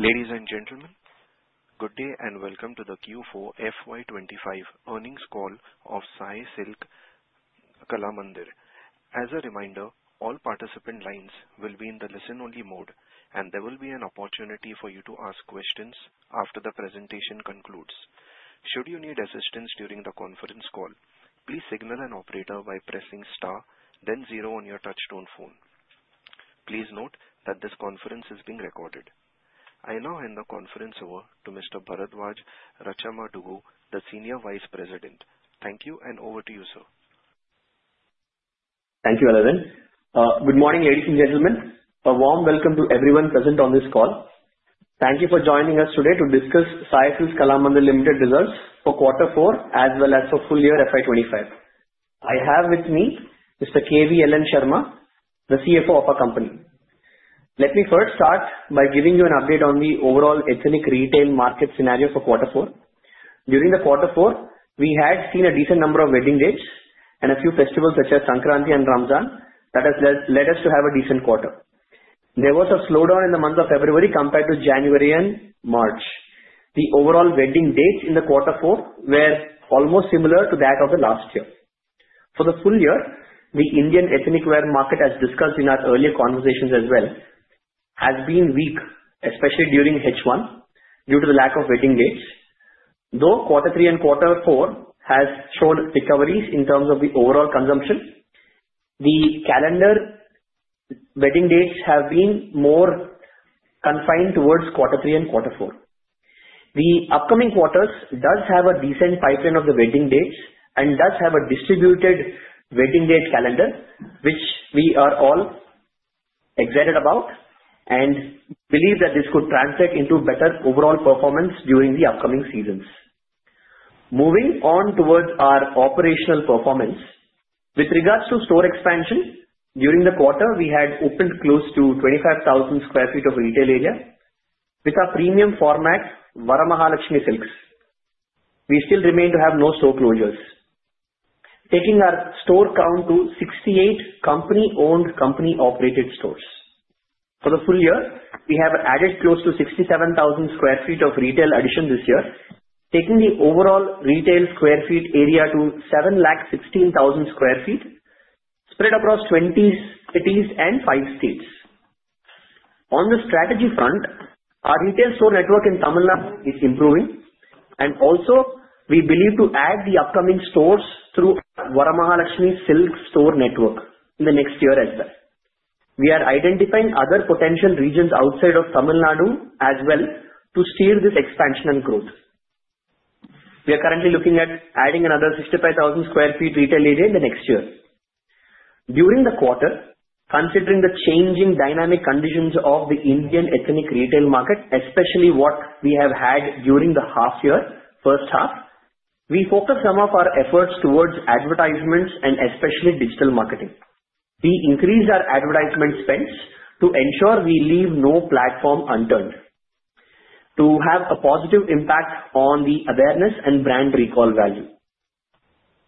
Ladies and gentlemen, good day and welcome to the Q4 FY 2025 Earnings Call of Sai Silks (Kalamandir). As a reminder, all participant lines will be in the listen-only mode, and there will be an opportunity for you to ask questions after the presentation concludes. Should you need assistance during the conference call, please signal an operator by pressing star, then zero on your touch-tone phone. Please note that this conference is being recorded. I now hand the conference over to Mr. Bharadwaj Rachamadugu, the Senior Vice President. Thank you, and over to you, sir. Thank you, Aladin. Good morning, ladies and gentlemen. A warm welcome to everyone present on this call. Thank you for joining us today to discuss Sai Silks (Kalamandir) Limited Results for Quarter 4, as well as for full year FY 2025. I have with me Mr. K.V.L.N. Sarma, the CFO of our company. Let me first start by giving you an update on the overall ethnic retail market scenario for quarter four. During quarter four, we had seen a decent number of wedding dates and a few festivals such as Sankranti and Ramadan that has led us to have a decent quarter. There was a slowdown in the month of February compared to January and March. The overall wedding dates in quarter four were almost similar to that of last year. For the full year, the Indian ethnic wear market, as discussed in our earlier conversations as well, has been weak, especially during H1 due to the lack of wedding dates. Though quarter three and quarter four have shown recoveries in terms of the overall consumption, the calendar wedding dates have been more confined towards Q3 and Q4. The upcoming quarter does have a decent pipeline of the wedding dates and does have a distributed wedding date calendar, which we are all excited about and believe that this could translate into better overall performance during the upcoming seasons. Moving on towards our operational performance, with regards to store expansion, during the quarter, we had opened close to 25,000 sq ft of retail area with our premium format, Varamahalakshmi Silks. We still remain to have no store closures, taking our store count to 68 company-owned, company-operated stores. For the full year, we have added close to 67,000 sq ft of retail addition this year, taking the overall retail sq ft area to 716,000 sq ft spread across 20 cities and five states. On the strategy front, our retail store network in Tamil Nadu is improving, and also, we believe to add the upcoming stores through Varamahalakshmi Silks store network in the next year as well. We are identifying other potential regions outside of Tamil Nadu as well to steer this expansion and growth. We are currently looking at adding another 65,000 sq ft retail area in the next year. During the quarter, considering the changing dynamic conditions of the Indian ethnic retail market, especially what we have had during the half-year first half, we focused some of our efforts towards advertisements and especially digital marketing. We increased our advertisement spends to ensure we leave no platform unturned to have a positive impact on the awareness and brand recall value.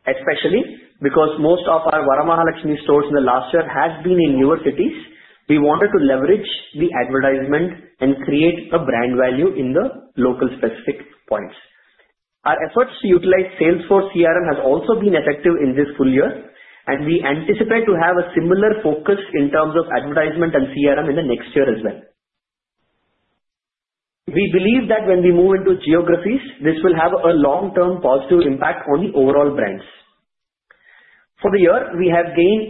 Especially because most of our Varamahalakshmi stores in the last year have been in newer cities, we wanted to leverage the advertisement and create a brand value in the local specific points. Our efforts to utilize Salesforce CRM have also been effective in this full year, and we anticipate to have a similar focus in terms of advertisement and CRM in the next year as well. We believe that when we move into geographies, this will have a long-term positive impact on the overall brands. For the year, we have gained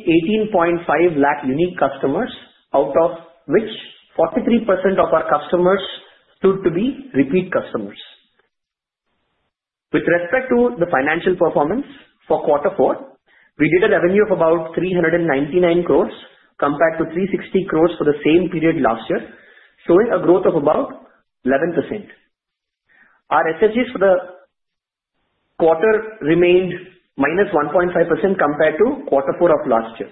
18.5 lakh unique customers, out of which 43% of our customers proved to be repeat customers. With respect to the financial performance for quarter four, we did a revenue of about 399 crores compared to 360 crores for the same period last year, showing a growth of about 11%. Our SSGs for the quarter remained -1.5% compared to quarter four of last year.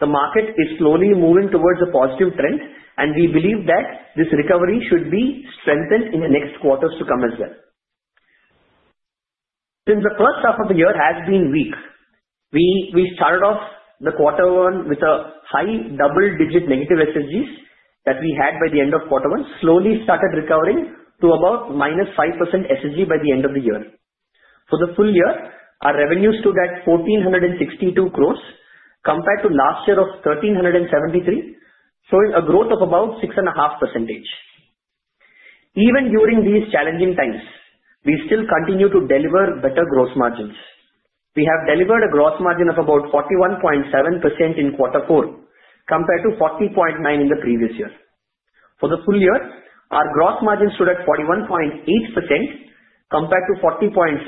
The market is slowly moving towards a positive trend, and we believe that this recovery should be strengthened in the next quarters to come as well. Since the first half of the year has been weak, we started off the quarter one with a high double-digit negative SSGs that we had by the end of quarter one, slowly started recovering to about -5% SSG by the end of the year. For the full year, our revenues stood at 1,462 crores compared to last year of 1,373, showing a growth of about 6.5%. Even during these challenging times, we still continue to deliver better gross margins. We have delivered a gross margin of about 41.7% in quarter four compared to 40.9% in the previous year. For the full year, our gross margin stood at 41.8% compared to 40.6%,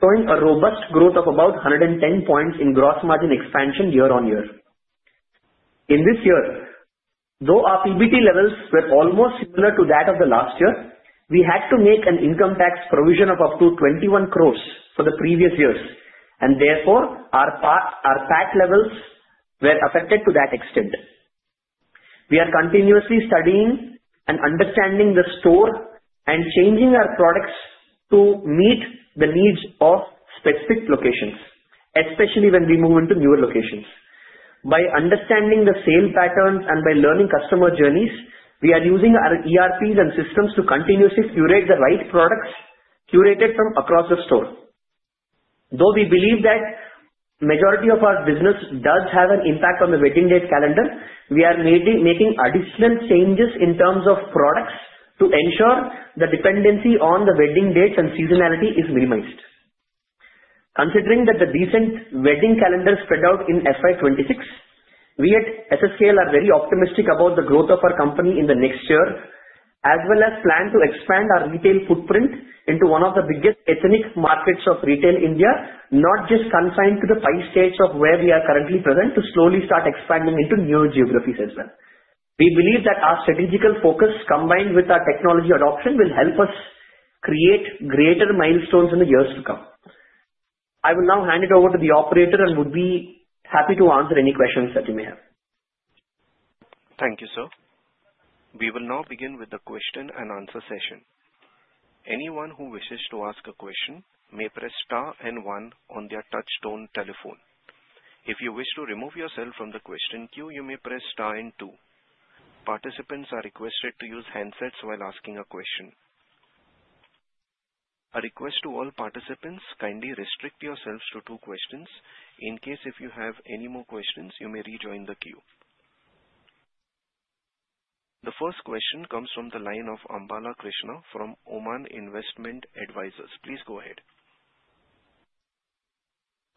showing a robust growth of about 110 points in gross margin expansion year-on-year. In this year, though our PBT levels were almost similar to that of the last year, we had to make an income tax provision of up to 21 crores for the previous years, and therefore, our PAT levels were affected to that extent. We are continuously studying and understanding the store and changing our products to meet the needs of specific locations, especially when we move into newer locations. By understanding the sale patterns and by learning customer journeys, we are using our ERPs and systems to continuously curate the right products curated from across the store. Though we believe that the majority of our business does have an impact on the wedding date calendar, we are making additional changes in terms of products to ensure the dependency on the wedding dates and seasonality is minimized. Considering the recent wedding calendar spread out in FY 2026, we at SSKL are very optimistic about the growth of our company in the next year, as well as plan to expand our retail footprint into one of the biggest ethnic markets of retail India, not just confined to the five states of where we are currently present, to slowly start expanding into newer geographies as well. We believe that our strategic focus, combined with our technology adoption, will help us create greater milestones in the years to come. I will now hand it over to the operator and would be happy to answer any questions that you may have. Thank you, sir. We will now begin with the question-and-answer session. Anyone who wishes to ask a question may press star and one on their touch-tone telephone. If you wish to remove yourself from the question queue, you may press star and two. Participants are requested to use handsets while asking a question. A request to all participants: kindly restrict yourselves to two questions. In case you have any more questions, you may rejoin the queue. The first question comes from the line of Ambala Krishna from Oman Investment Advisors. Please go ahead.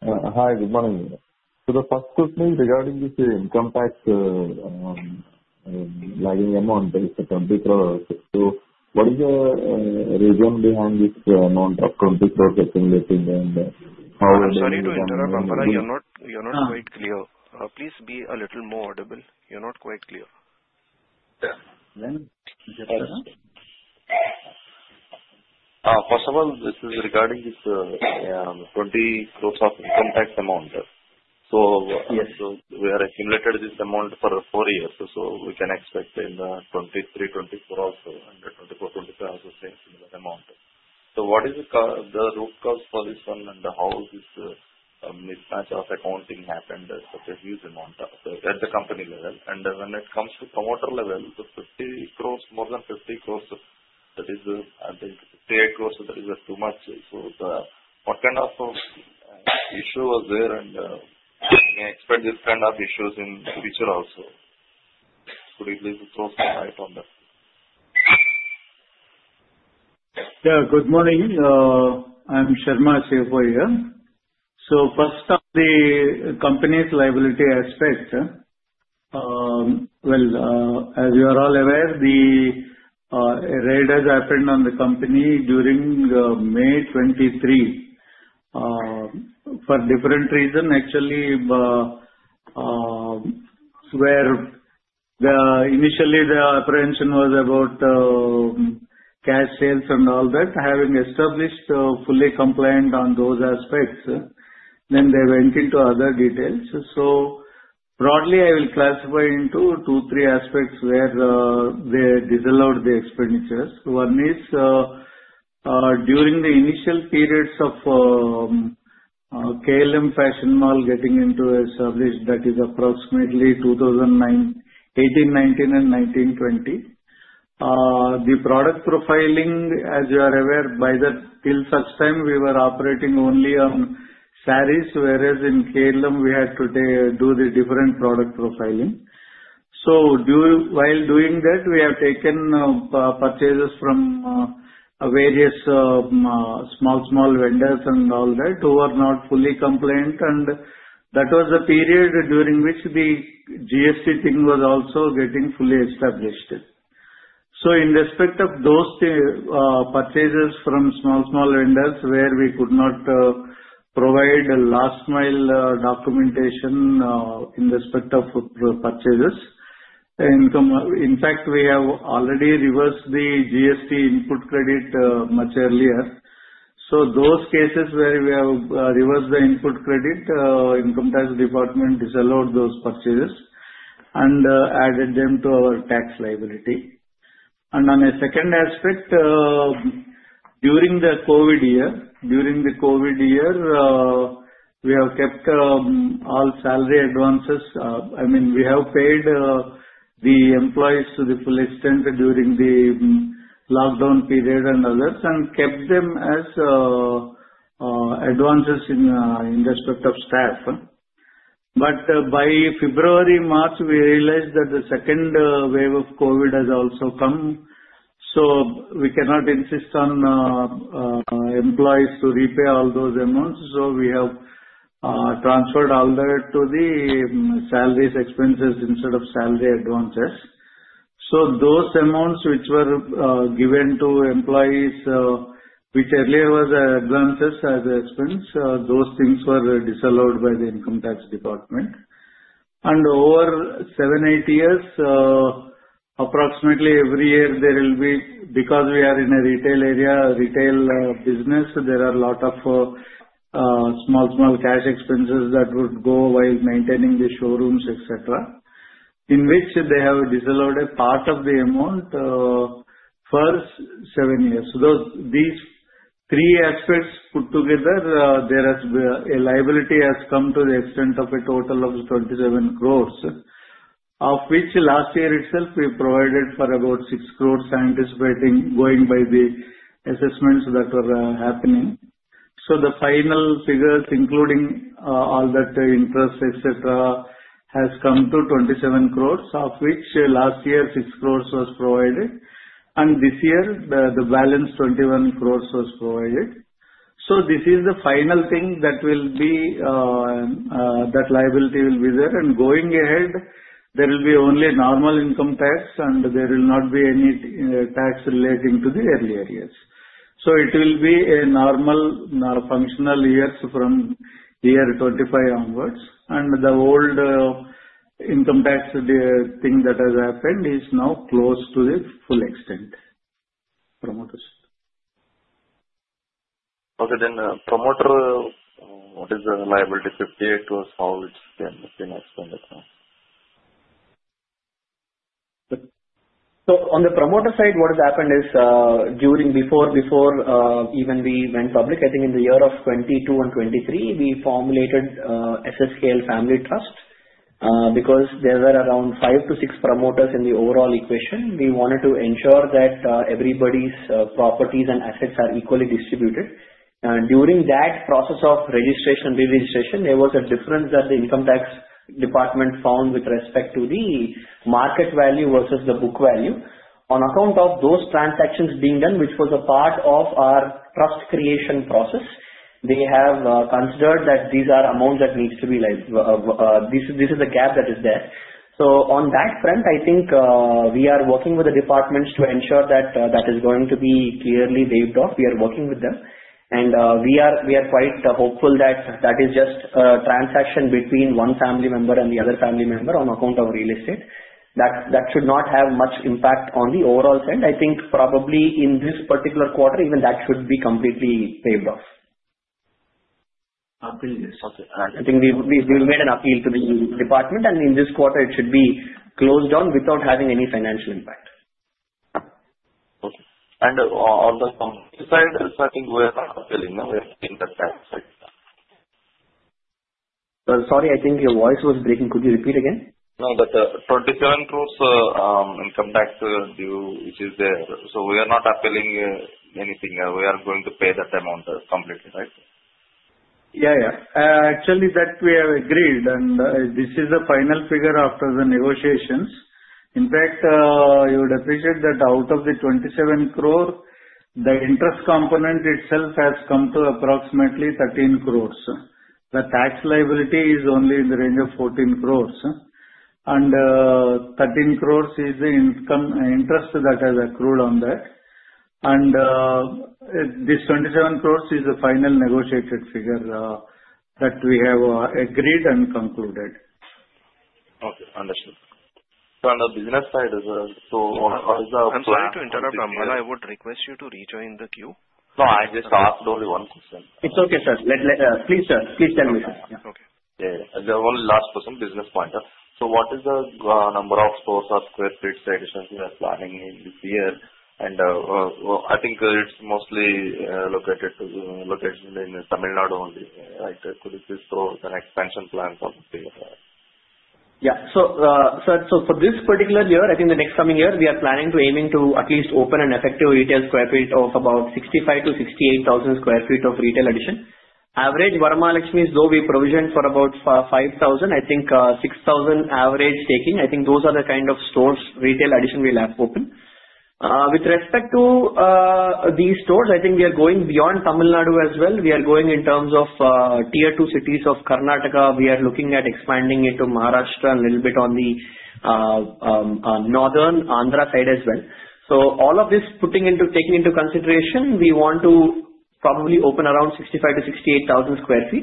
Hi, good morning. So the first question is regarding this income tax liability amount, the 20 crores. So what is the reason behind this amount of 20 crores accumulating and how? Sorry to interrupt, Ambala. You're not quite clear. Please be a little more audible. You're not quite clear. First of all, this is regarding this 20 crores of income tax amount. So we are accumulating this amount for four years, so we can expect in 2023, 2024, also 2024, 2025, also same amount. So what is the root cause for this one, and how this mismatch of accounting happened at the company level? And when it comes to promoter level, the 50 crores, more than 50 crores, that is, I think, 58 crores, that is too much. So what kind of issue was there, and can you expect this kind of issues in the future also? Could you please throw some light on that? Yeah, good morning. I'm Sarma, CFO here. First of the company's liability aspect. Well, as you are all aware, the raid has happened on the company during May 2023 for different reasons. Actually, where initially the apprehension was about cash sales and all that, having established fully compliant on those aspects, then they went into other details. Broadly, I will classify into two, three aspects where they disallowed the expenditures. One is during the initial periods of KLM Fashion Mall getting established, that is approximately 2018-2019 and 2019-2020. The product profiling, as you are aware, by that till such time, we were operating only on sarees, whereas in KLM, we had to do the different product profiling. So while doing that, we have taken purchases from various small, small vendors and all that who were not fully compliant, and that was the period during which the GST thing was also getting fully established. So in respect of those purchases from small, small vendors where we could not provide last-mile documentation in respect of purchases, in fact, we have already reversed the GST input credit much earlier. So those cases where we have reversed the input credit, the Income Tax Department disallowed those purchases and added them to our tax liability. And on a second aspect, during the COVID year, we have kept all salary advances. I mean, we have paid the employees to the full extent during the lockdown period and others and kept them as advances in respect of staff. But by February, March, we realized that the second wave of COVID has also come, so we cannot insist on employees to repay all those amounts. So we have transferred all that to the salaries, expenses instead of salary advances. So those amounts which were given to employees, which earlier was advances as expense, those things were disallowed by the Income Tax Department. And over seven, eight years, approximately every year, there will be, because we are in a retail area, retail business, there are a lot of small, small cash expenses that would go while maintaining the showrooms, etc., in which they have disallowed a part of the amount for seven years. These three aspects put together, there has a liability has come to the extent of a total of 27 crores, of which last year itself we provided for about six crores anticipating going by the assessments that were happening. The final figures, including all that interest, etc., has come to 27 crores, of which last year six crores was provided, and this year the balance 21 crores was provided. This is the final thing that will be that liability will be there. Going ahead, there will be only normal income tax, and there will not be any tax relating to the earlier years. It will be a normal functional years from year 2025 onwards. The old income tax thing that has happened is now close to the full extent. Okay, then the promoter, what is the liability? 58 crores, how it's been expanded? So on the promoter side, what has happened is before even we went public, I think in the year of 2022 and 2023, we formulated SSKL Family Trust because there were around five to six promoters in the overall equation. We wanted to ensure that everybody's properties and assets are equally distributed. And during that process of registration, re-registration, there was a difference that the income tax department found with respect to the market value versus the book value. On account of those transactions being done, which was a part of our trust creation process, they have considered that these are amounts that need to be like this is the gap that is there. So on that front, I think we are working with the departments to ensure that that is going to be clearly paid off. We are working with them, and we are quite hopeful that that is just a transaction between one family member and the other family member on account of real estate. That should not have much impact on the overall trend. I think probably in this particular quarter, even that should be completely paid off. Appeal yes. I think we've made an appeal to the department, and in this quarter, it should be closed down without having any financial impact. Okay. And on the company side, I think we are not appealing. We are in the tax side. Sorry, I think your voice was breaking. Could you repeat again? No, but 27 crores income tax due, which is there. So we are not appealing anything. We are going to pay that amount completely, right? Yeah, yeah. Actually, that we have agreed, and this is the final figure after the negotiations. In fact, you would appreciate that out of the 27 crore, the interest component itself has come to approximately 13 crores. The tax liability is only in the range of 14 crores, and 13 crores is the income interest that has accrued on that. And this 27 crores is the final negotiated figure that we have agreed and concluded. Okay, understood. On the business side, so what is the? I'm sorry to interrupt, Ambala. I would request you to rejoin the queue. No, I just asked only one question. It's okay, sir. Please, sir. Please tell me, sir. Okay. The only last question, business point. So what is the number of sq ft additions you are planning this year? And I think it's mostly located in Tamil Nadu only, right? Could it be so the expansion plan from? Yeah. So for this particular year, I think the next coming year, we are planning to aim to at least open an effective retail sq ft of about 65,000-68,000 sq ft of retail addition. Average Varamahalakshmi, though we provisioned for about 5,000, I think 6,000 average taking. I think those are the kind of stores retail addition we'll have open. With respect to these stores, I think we are going beyond Tamil Nadu as well. We are going in terms of Tier 2 cities of Karnataka. We are looking at expanding into Maharashtra a little bit on the Northern Andhra side as well. So all of this taking into consideration, we want to probably open around 65,000-68,000 sq ft.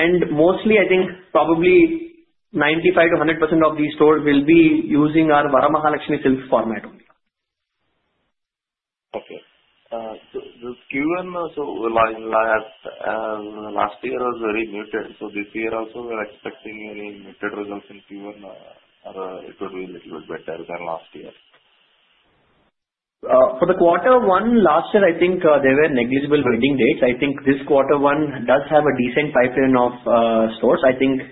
And mostly, I think probably 95%-100% of these stores will be using our Varamahalakshmi Silks format only. Okay. So the Q1 last year was very muted. So this year also, we're expecting any muted results in Q1. It would be a little bit better than last year. For the quarter one last year, I think there were negligible wedding dates. I think this quarter one does have a decent pipeline of stores. I think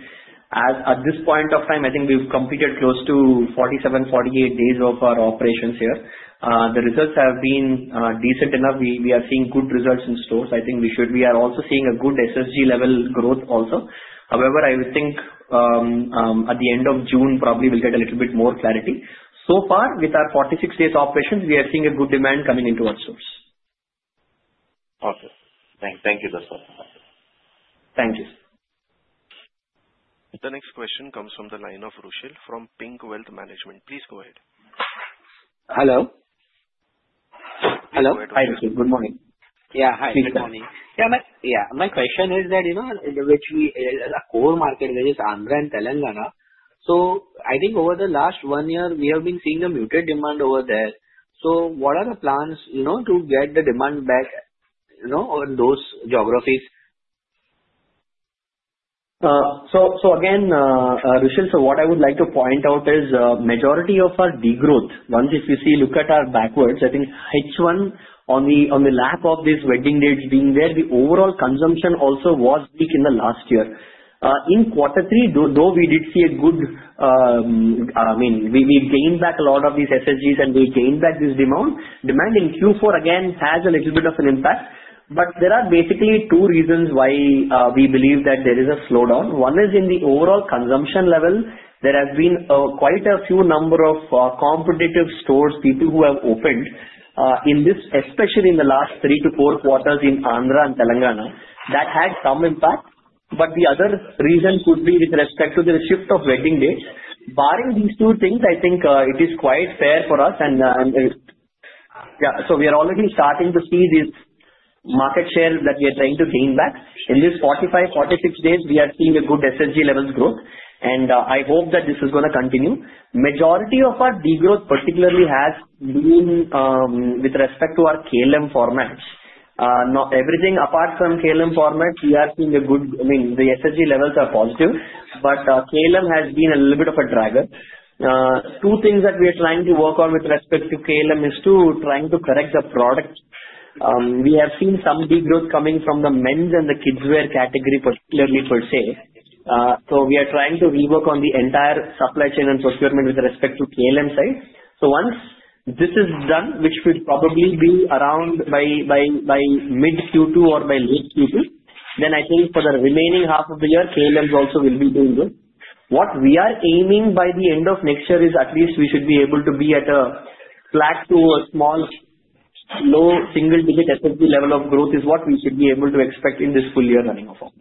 at this point of time, I think we've completed close to 47, 48 days of our operations here. The results have been decent enough. We are seeing good results in stores. I think we are also seeing a good SSG level growth also. However, I would think at the end of June, probably we'll get a little bit more clarity. So far, with our 46 days operations, we are seeing a good demand coming into our stores. Okay. Thank you, sir. Thank you. The next question comes from the line of Rushil from PINC Wealth Management. Please go ahead. Hello. Hello. Hi, Rushil. Good morning. Yeah, hi. Good morning. Yeah, my question is that which is our core market, which is Andhra and Telangana. So I think over the last one year, we have been seeing a muted demand over there. So what are the plans to get the demand back on those geographies? So again, Rushil, so what I would like to point out is majority of our degrowth. Once if you see, look at our backwards, I think H1, on the back of these wedding dates being there, the overall consumption also was weak in the last year. In quarter three, though we did see a good, I mean, we gained back a lot of these SSGs, and we gained back this demand. Demand in Q4 again has a little bit of an impact. But there are basically two reasons why we believe that there is a slowdown. One is in the overall consumption level. There has been quite a few number of competitive stores, people who have opened in this, especially in the last three to four quarters in Andhra and Telangana. That had some impact, but the other reason could be with respect to the shift of wedding dates. Barring these two things, I think it is quite fair for us, and yeah, so we are already starting to see this market share that we are trying to gain back. In this 45, 46 days, we are seeing a good SSG level growth, and I hope that this is going to continue. Majority of our degrowth particularly has been with respect to our KLM formats. Everything apart from KLM formats, we are seeing a good, I mean, the SSG levels are positive, but KLM has been a little bit of a dragger. Two things that we are trying to work on with respect to KLM is to trying to correct the product. We have seen some degrowth coming from the men's and the kids' wear category particularly per se. So we are trying to rework on the entire supply chain and procurement with respect to KLM side. So once this is done, which will probably be around by mid Q2 or by late Q2, then I think for the remaining half of the year, KLM also will be doing this. What we are aiming by the end of next year is at least we should be able to be at a flat to a small, low single-digit SSG level of growth is what we should be able to expect in this full year running performance.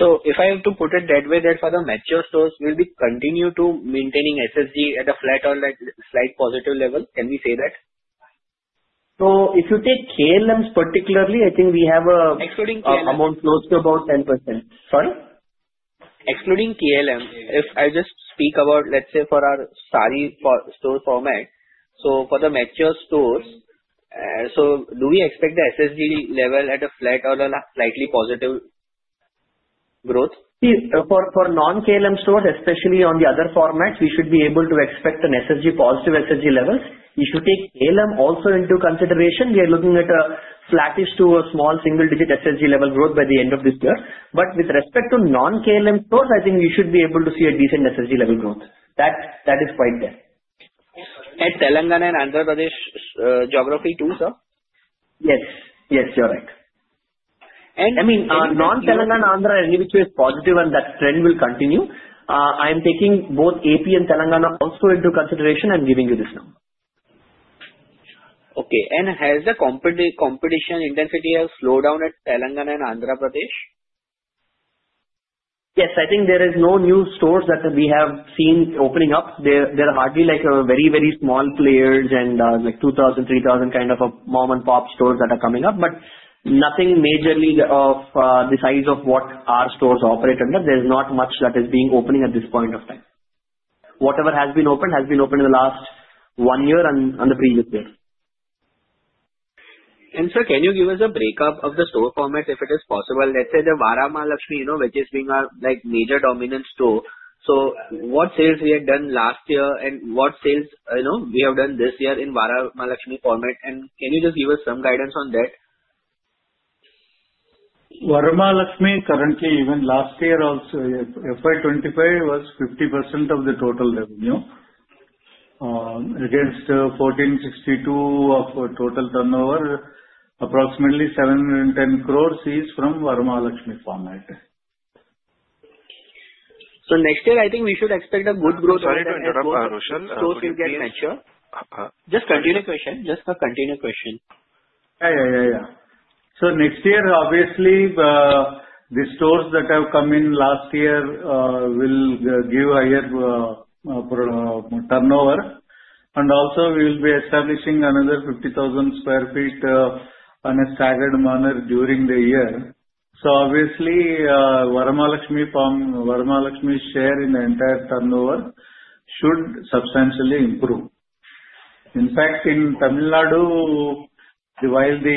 So if I have to put it that way, that for the mature stores, we will continue to maintaining SSG at a flat or slight positive level. Can we say that? So if you take KLMs particularly, I think we have a. Excluding KLM. Amount close to about 10%. Sorry? Excluding KLM, if I just speak about, let's say, for our sari store format, so for the mature stores, so do we expect the SSG level at a flat or a slightly positive growth? For non-KLM stores, especially on the other formats, we should be able to expect an SSG, positive SSG level. We should take KLM also into consideration. We are looking at a flattish to a small single-digit SSG level growth by the end of this year. But with respect to non-KLM stores, I think we should be able to see a decent SSG level growth. That is quite there. Telangana and Andhra Pradesh geography too, sir? Yes. Yes, you're right. I mean, non-Telangana and Andhra any which way is positive, and that trend will continue. I am taking both AP and Telangana also into consideration and giving you this number. Okay, and has the competition intensity slowed down at Telangana and Andhra Pradesh? Yes, I think there is no new stores that we have seen opening up. There are hardly like very, very small players and like 2,000, 3,000 kind of mom-and-pop stores that are coming up, but nothing majorly of the size of what our stores operate under. There's not much that is being opening at this point of time. Whatever has been opened has been opened in the last one year and the previous year. Sir, can you give us a break-up of the store format if it is possible? Let's say the Varamahalakshmi, which is being our major dominant store. So what sales we had done last year and what sales we have done this year in Varamahalakshmi format? Can you just give us some guidance on that? Varamahalakshmi, currently, even last year also, FY 2025 was 50% of the total revenue against 1,462 of total turnover, approximately 710 crores is from Varamahalakshmi format. So next year, I think we should expect a good growth as the stores will get mature. Just a continued question. Yeah, yeah, yeah, yeah, so next year, obviously, the stores that have come in last year will give higher turnover, and also, we will be establishing another 50,000 sq ft on a staggered manner during the year, so obviously, Varamahalakshmi share in the entire turnover should substantially improve. In fact, in Tamil Nadu, while the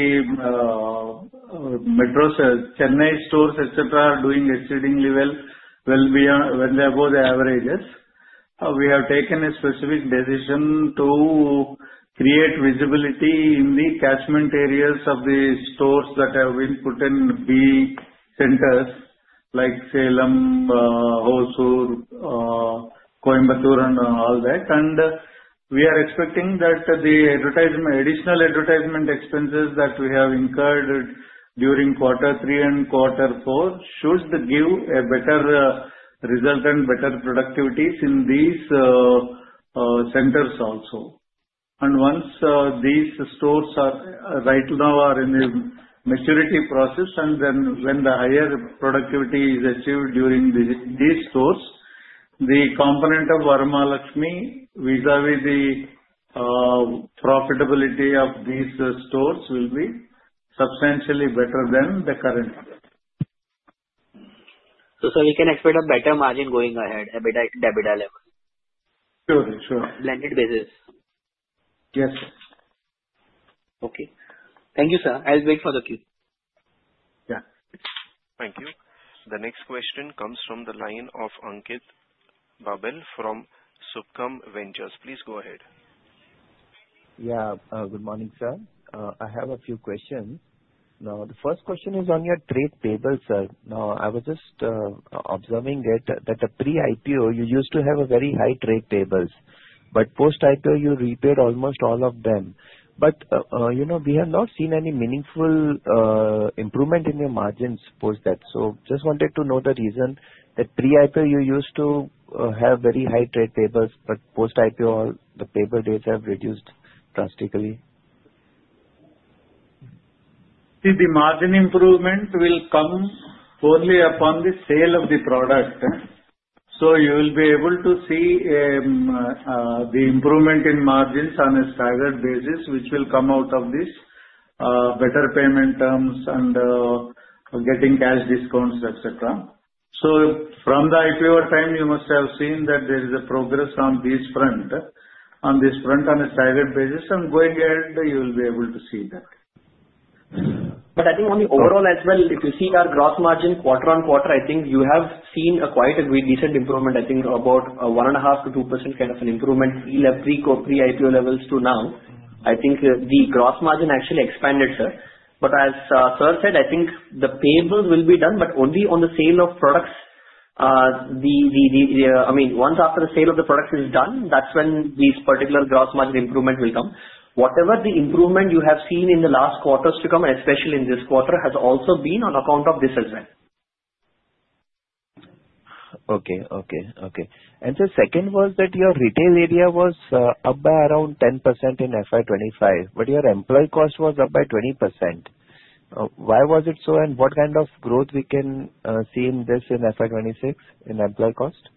Chennai stores etc. are doing exceedingly well, when they are above the averages, we have taken a specific decision to create visibility in the catchment areas of the stores that have been put in B centers like Salem, Hosur, Coimbatore and all that, and we are expecting that the additional advertisement expenses that we have incurred during quarter three and quarter four should give a better result and better productivity in these centers also. Once these stores right now are in the maturity process, and then when the higher productivity is achieved during these stores, the component of Varamahalakshmi vis-à-vis the profitability of these stores will be substantially better than the current. So we can expect a better margin going ahead, a better EBITDA level. Sure, sure. Blended basis. Yes, sir. Okay. Thank you, sir. I'll wait for the queue. Yeah. Thank you. The next question comes from the line of Ankit Babel from Subhkam Ventures. Please go ahead. Yeah, good morning, sir. I have a few questions. Now, the first question is on your trade payables, sir. Now, I was just observing that at pre-IPO, you used to have very high trade payables, but post-IPO, you repaid almost all of them. But we have not seen any meaningful improvement in your margins, post that. So just wanted to know the reason that pre-IPO, you used to have very high trade payables, but post-IPO, the payables days have reduced drastically. The margin improvement will come only upon the sale of the product. So you will be able to see the improvement in margins on a staggered basis, which will come out of these better payment terms and getting cash discounts, etc. So from the IPO time, you must have seen that there is a progress on this front, on this front on a staggered basis, and going ahead, you will be able to see that. But I think on the overall as well, if you see our gross margin quarter-on-quarter, I think you have seen quite a decent improvement. I think about 1.5%-2% kind of an improvement pre-IPO levels to now. I think the gross margin actually expanded, sir. But as sir said, I think the payables will be done, but only on the sale of products. I mean, once after the sale of the products is done, that's when these particular gross margin improvement will come. Whatever the improvement you have seen in the last quarters to come, and especially in this quarter, has also been on account of this as well. And the second was that your retail area was up by around 10% in FY 2025, but your employee cost was up by 20%. Why was it so, and what kind of growth we can see in this in FY 2026 in employee cost?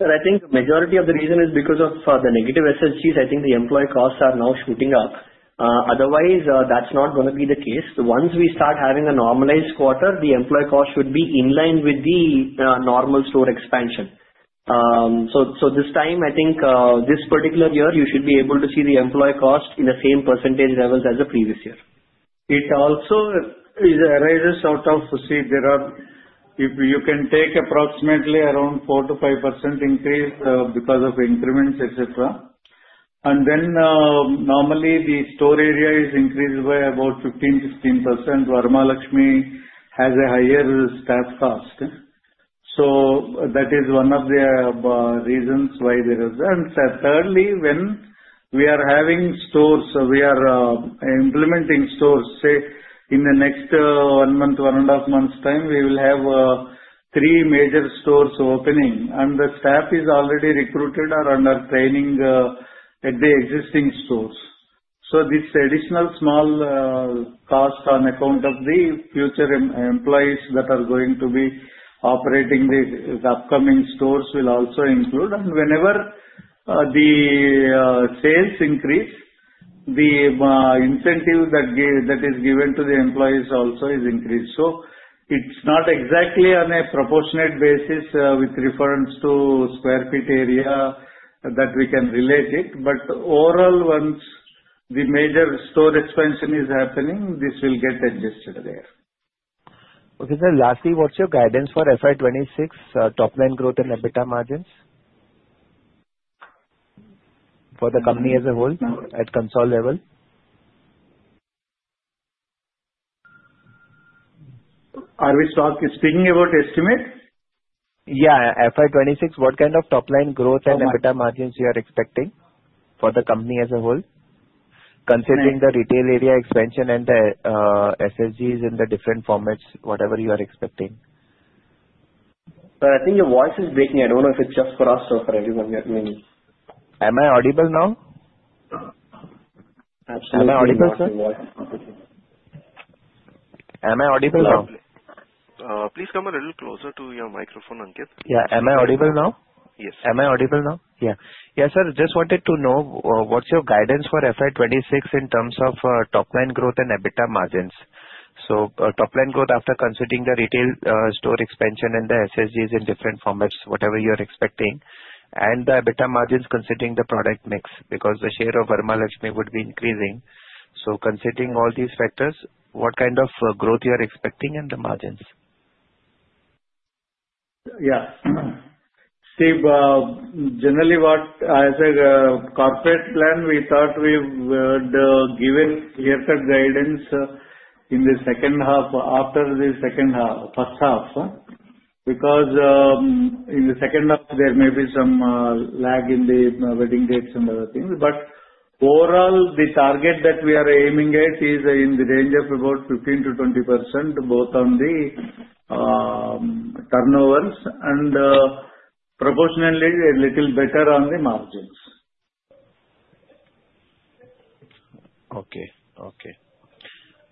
Sir, I think the majority of the reason is because of the negative SSGs. I think the employee costs are now shooting up. Otherwise, that's not going to be the case. Once we start having a normalized quarter, the employee cost should be in line with the normal store expansion. So this time, I think this particular year, you should be able to see the employee cost in the same percentage levels as the previous year. It also arises out of, see, there are. You can take approximately around 4%-5% increase because of increments, etc. Then normally the store area is increased by about 15%, 15%. Varamahalakshmi has a higher staff cost. That is one of the reasons why there is. Thirdly, when we are having stores, we are implementing stores, say, in the next one month, one and a half months' time, we will have three major stores opening, and the staff is already recruited or under training at the existing stores. This additional small cost on account of the future employees that are going to be operating the upcoming stores will also include. Whenever the sales increase, the incentive that is given to the employees also is increased. So it's not exactly on a proportionate basis with reference to sq ft area that we can relate it, but overall, once the major store expansion is happening, this will get adjusted there. Okay, sir. Lastly, what's your guidance for FY 2026 top line growth and EBITDA margins for the company as a whole at consolidated level? Are we speaking about estimate? Yeah. FY 2026, what kind of top line growth and EBITDA margins you are expecting for the company as a whole, considering the retail area expansion and the SSGs in the different formats, whatever you are expecting? Sir, I think your voice is breaking. I don't know if it's just for us or for everyone. Am I audible now? Absolutely. Am I audible, sir? Am I audible now? Please come a little closer to your microphone, Ankit. Yeah. Am I audible now? Yes. Am I audible now? Yeah. Yeah, sir. Just wanted to know what's your guidance for FY 2026 in terms of top line growth and EBITDA margins. So top line growth after considering the retail store expansion and the SSGs in different formats, whatever you are expecting, and the EBITDA margins considering the product mix because the share of Varamahalakshmi would be increasing. So considering all these factors, what kind of growth you are expecting and the margins? Yeah. See, generally, as a corporate plan, we thought we would give a clear-cut guidance in the second half after the second half, first half, because in the second half, there may be some lag in the wedding dates and other things. But overall, the target that we are aiming at is in the range of about 15%-20% both on the turnovers and proportionately a little better on the margins. Okay, okay.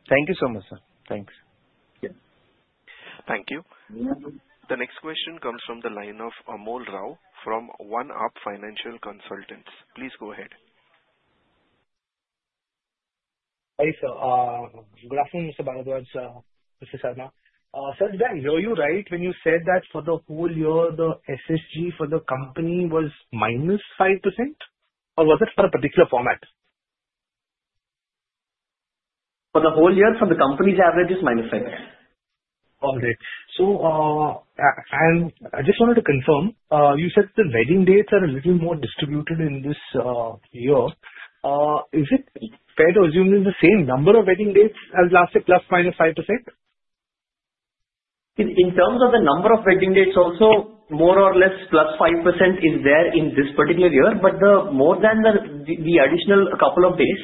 Thank you so much, sir. Thanks. Thank you. The next question comes from the line of Amol Rao from OneUp Financial Consultants. Please go ahead. Hi sir. Good afternoon, Mr. Bharadwaj, Mr. Sarma. Sir, did I hear you right when you said that for the whole year, the SSG for the company was -5%, or was it for a particular format? For the whole year, for the company's average, it's -5%. All right, so I just wanted to confirm. You said the wedding dates are a little more distributed in this year. Is it fair to assume the same number of wedding dates as last year, ±5%? In terms of the number of wedding dates, also more or less +5% is there in this particular year. But more than the additional couple of days,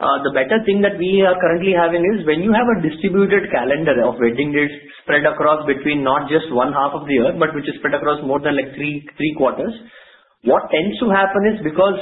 the better thing that we are currently having is when you have a distributed calendar of wedding dates spread across between not just one half of the year, but which is spread across more than like three quarters. What tends to happen is because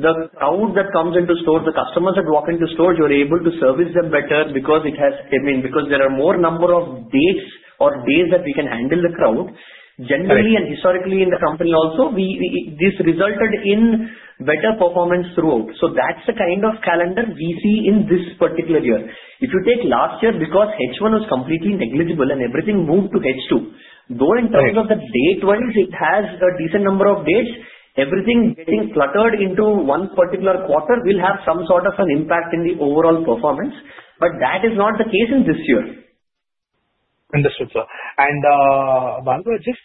the crowd that comes into store, the customers that walk into stores, you are able to service them better because it has, I mean, because there are more number of dates or days that we can handle the crowd. Generally and historically in the company also, this resulted in better performance throughout. So that's the kind of calendar we see in this particular year. If you take last year because H1 was completely negligible and everything moved to H2, though in terms of the date-wise, it has a decent number of dates, everything getting cluttered into one particular quarter will have some sort of an impact in the overall performance. But that is not the case in this year. Understood, sir. And Bharadwaj, just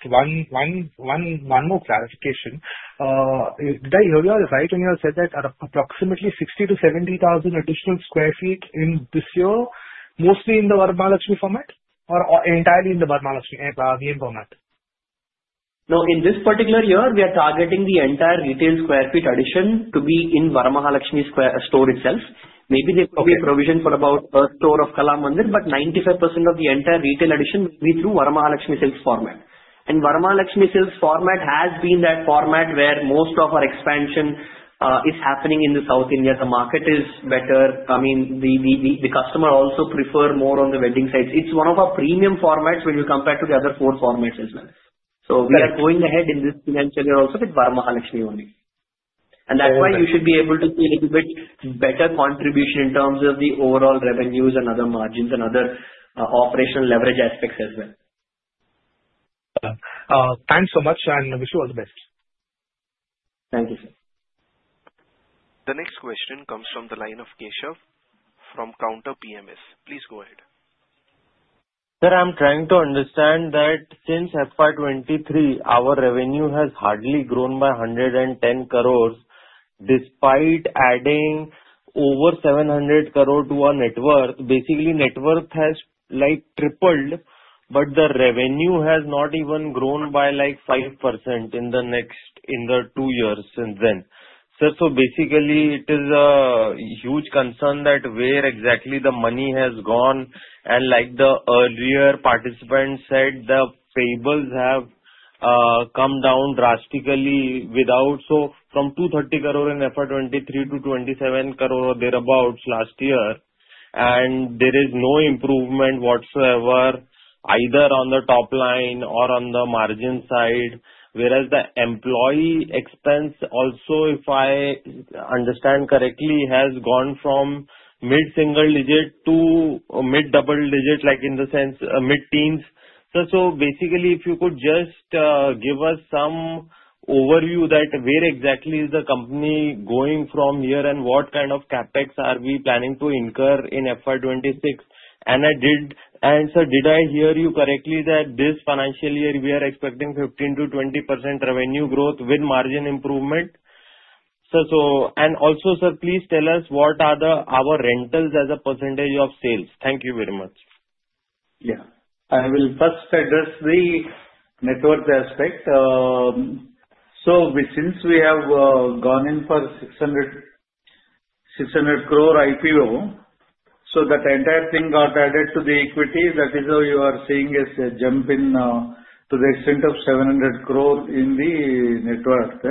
one more clarification. Did I hear you right when you said that approximately 60,000-70,000 additional sq ft in this year, mostly in the Varamahalakshmi format or entirely in the Varamahalakshmi format? No. In this particular year, we are targeting the entire retail sq ft addition to be in Varamahalakshmi store itself. Maybe they provide provision for about a store of Kalamandir, but 95% of the entire retail addition will be through Varamahalakshmi Silks format, and Varamahalakshmi Silks format has been that format where most of our expansion is happening in South India. The market is better. I mean, the customer also prefers more on the wedding suits. It's one of our premium formats when you compare to the other four formats as well, so we are going ahead in this financial year also with Varamahalakshmi Silks only, and that's why you should be able to see a little bit better contribution in terms of the overall revenues and other margins and other operational leverage aspects as well. Thanks so much, and wish you all the best. Thank you, sir. The next question comes from the line of Keshav from Counter Cyclical PMS. Please go ahead. Sir, I'm trying to understand that since FY 2023, our revenue has hardly grown by 110 crores despite adding over 700 crore to our net worth. Basically, net worth has tripled, but the revenue has not even grown by like 5% in the next two years since then. So basically, it is a huge concern that where exactly the money has gone. And like the earlier participant said, the payables have come down drastically without so from 230 crore in FY 2023 to 27 crore or thereabouts last year, and there is no improvement whatsoever either on the top line or on the margin side. Whereas the employee expense also, if I understand correctly, has gone from mid single digit to mid double digit, like in the sense mid teens. So basically, if you could just give us some overview that where exactly is the company going from here and what kind of CapEx are we planning to incur in FY 2026? And sir, did I hear you correctly that this financial year we are expecting 15%-20% revenue growth with margin improvement? And also, sir, please tell us what are our rentals as a percentage of sales? Thank you very much. Yeah. I will first address the net worth aspect. So since we have gone in for 600 crore IPO, so that entire thing got added to the equity, that is what you are seeing is a jump in to the extent of 700 crore in the net worth.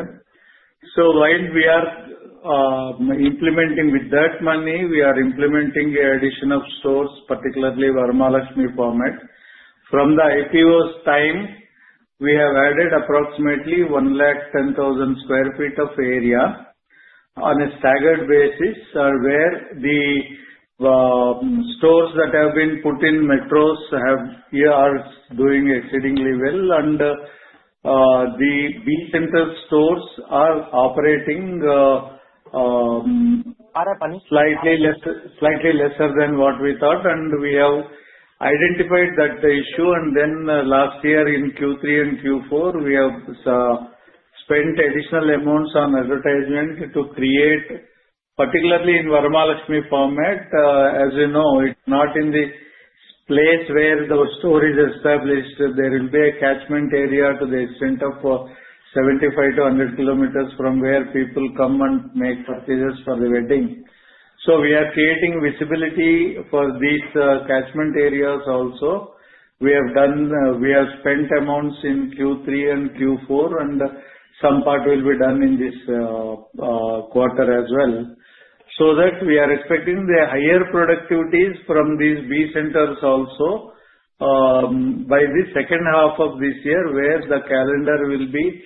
So while we are implementing with that money, we are implementing the addition of stores, particularly Varamahalakshmi format. From the IPO's time, we have added approximately 110,000 sq ft of area on a staggered basis where the stores that have been put in metros are doing exceedingly well. And the B center stores are operating slightly lesser than what we thought. And we have identified that the issue. And then last year in Q3 and Q4, we have spent additional amounts on advertisement to create, particularly in Varamahalakshmi format. As you know, it's not in the place where the store is established. There will be a catchment area to the extent of 75-100 km from where people come and make purchases for the wedding. So we are creating visibility for these catchment areas also. We have spent amounts in Q3 and Q4, and some part will be done in this quarter as well. So that we are expecting the higher productivities from these B centers also by the second half of this year where the calendar will be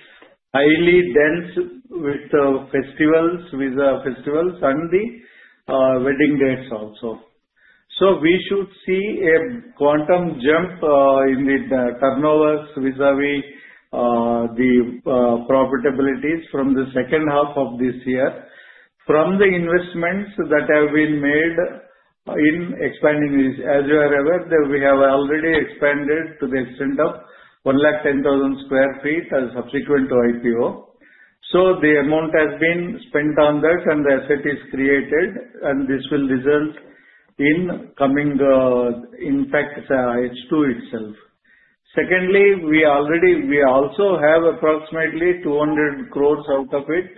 highly dense with the festivals and the wedding dates also. So we should see a quantum jump in the turnovers vis-à-vis the profitabilities from the second half of this year from the investments that have been made in expanding these. As you are aware, we have already expanded to the extent of 110,000 sq ft subsequent to IPO. The amount has been spent on that, and the asset is created, and this will result in coming impact H2 itself. Secondly, we also have approximately 200 crores out of it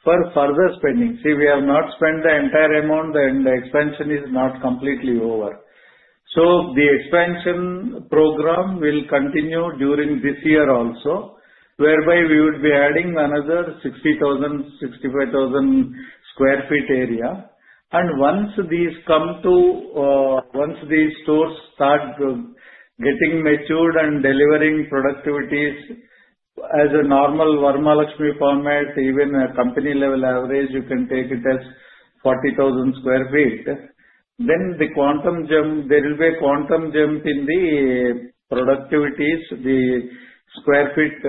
for further spending. See, we have not spent the entire amount, and the expansion is not completely over. The expansion program will continue during this year also, whereby we would be adding another 60,000-65,000 sq ft area. And once these stores start getting matured and delivering productivities as a normal Varamahalakshmi format, even a company-level average, you can take it as 40,000 sq ft, then the quantum jump, there will be a quantum jump in the productivities, the sq ft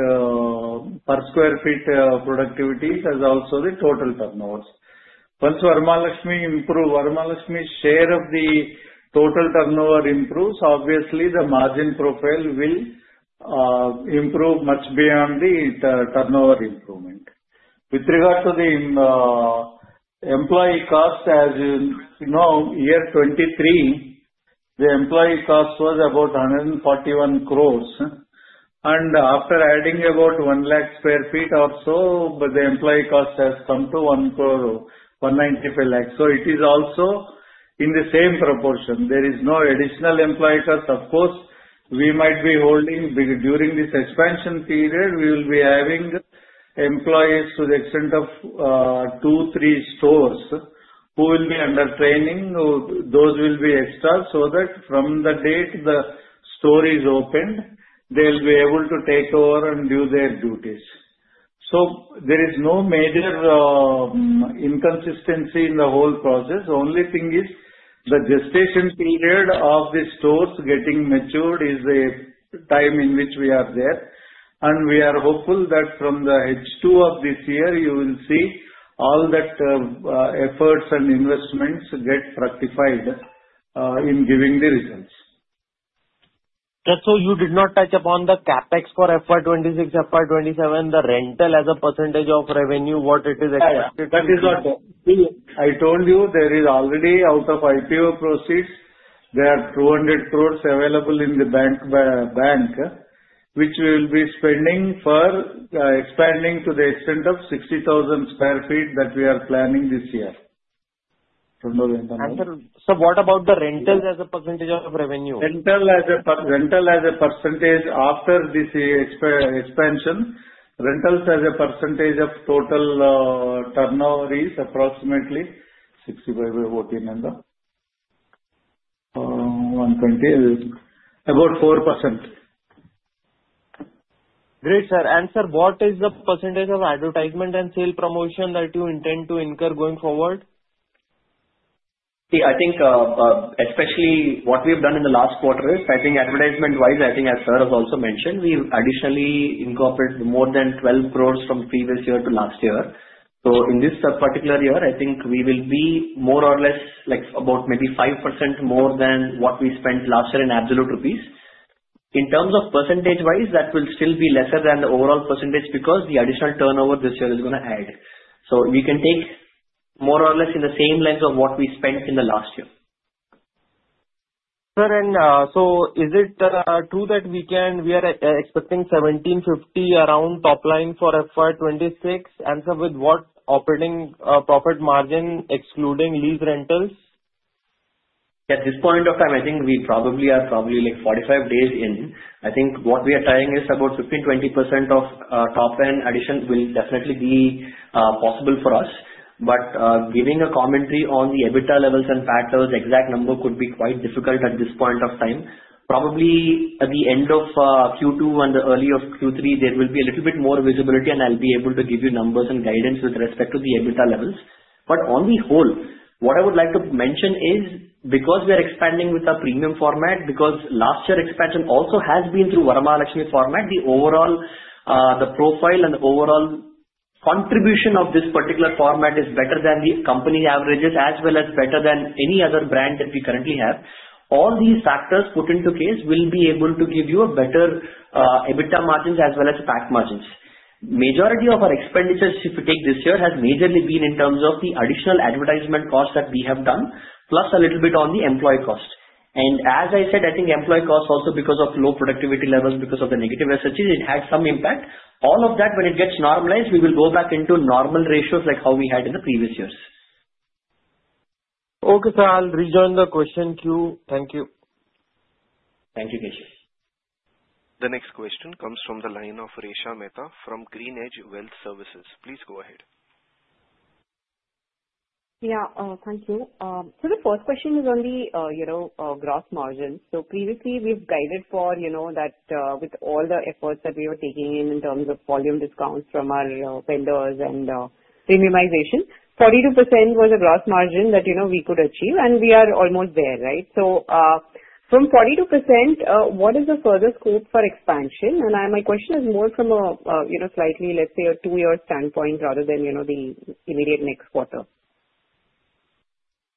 per sq ft productivities as also the total turnovers. Once Varamahalakshmi improves, Varamahalakshmi's share of the total turnover improves, obviously the margin profile will improve much beyond the turnover improvement. With regard to the employee cost, as you know, year 2023, the employee cost was about 141 crores. And after adding about 1 lakh sq ft or so, the employee cost has come to 195 lakhs. So it is also in the same proportion. There is no additional employee cost. Of course, we might be holding during this expansion period, we will be having employees to the extent of two, three stores who will be under training. Those will be extra so that from the date the store is opened, they will be able to take over and do their duties. So there is no major inconsistency in the whole process. Only thing is the gestation period of the stores getting matured is the time in which we are there, and we are hopeful that from the H2 of this year, you will see all that efforts and investments get fructified in giving the results. That's why you did not touch upon the CapEx for FY 2026, FY 2027, the rental as a percentage of revenue, what it is expected. That is not. I told you there is already, out of IPO proceeds, there are 200 crores available in the bank, which we will be spending for expanding to the extent of 60,000 sq ft that we are planning this year. Sir, what about the rentals as a percentage of revenue? Rentals as a percentage after this expansion, rentals as a percentage of total turnover is approximately 6.5%-14% and 12.0%, about 4%. Great, sir. And sir, what is the percentage of advertisement and sale promotion that you intend to incur going forward? See, I think especially what we have done in the last quarter is, I think advertisement-wise, I think as sir has also mentioned, we additionally incorporated more than 12 crores from previous year to last year. So in this particular year, I think we will be more or less about maybe 5% more than what we spent last year in absolute rupees. In terms of percentage-wise, that will still be lesser than the overall percentage because the additional turnover this year is going to add. So we can take more or less in the same length of what we spent in the last year. Sir, and so is it true that we are expecting 1750 around top line for FY 2026? And sir, with what operating profit margin excluding lease rentals? At this point of time, I think we probably are like 45 days in. I think what we are trying is about 15%-20% of top end addition will definitely be possible for us. But giving a commentary on the EBITDA levels and PAT levels, exact number could be quite difficult at this point of time. Probably at the end of Q2 and the early of Q3, there will be a little bit more visibility, and I'll be able to give you numbers and guidance with respect to the EBITDA levels. But on the whole, what I would like to mention is because we are expanding with a premium format, because last year expansion also has been through Varamahalakshmi format, the overall profile and the overall contribution of this particular format is better than the company averages as well as better than any other brand that we currently have. All these factors put in place will be able to give you a better EBITDA margins as well as PAT margins. Majority of our expenditures, if you take this year, has majorly been in terms of the additional advertisement costs that we have done, plus a little bit on the employee cost. And as I said, I think employee costs also because of low productivity levels, because of the negative SSGs, it had some impact. All of that, when it gets normalized, we will go back into normal ratios like how we had in the previous years. Okay, sir, I'll rejoin the question queue. Thank you. Thank you, Keshav. The next question comes from the line of Resha Mehta from GreenEdge Wealth Services. Please go ahead. Yeah, thank you. So the first question is only gross margins. So previously, we've guided for that with all the efforts that we were taking in terms of volume discounts from our vendors and premiumization. 42% was a gross margin that we could achieve, and we are almost there, right? So from 42%, what is the further scope for expansion? And my question is more from a slightly, let's say, a two-year standpoint rather than the immediate next quarter.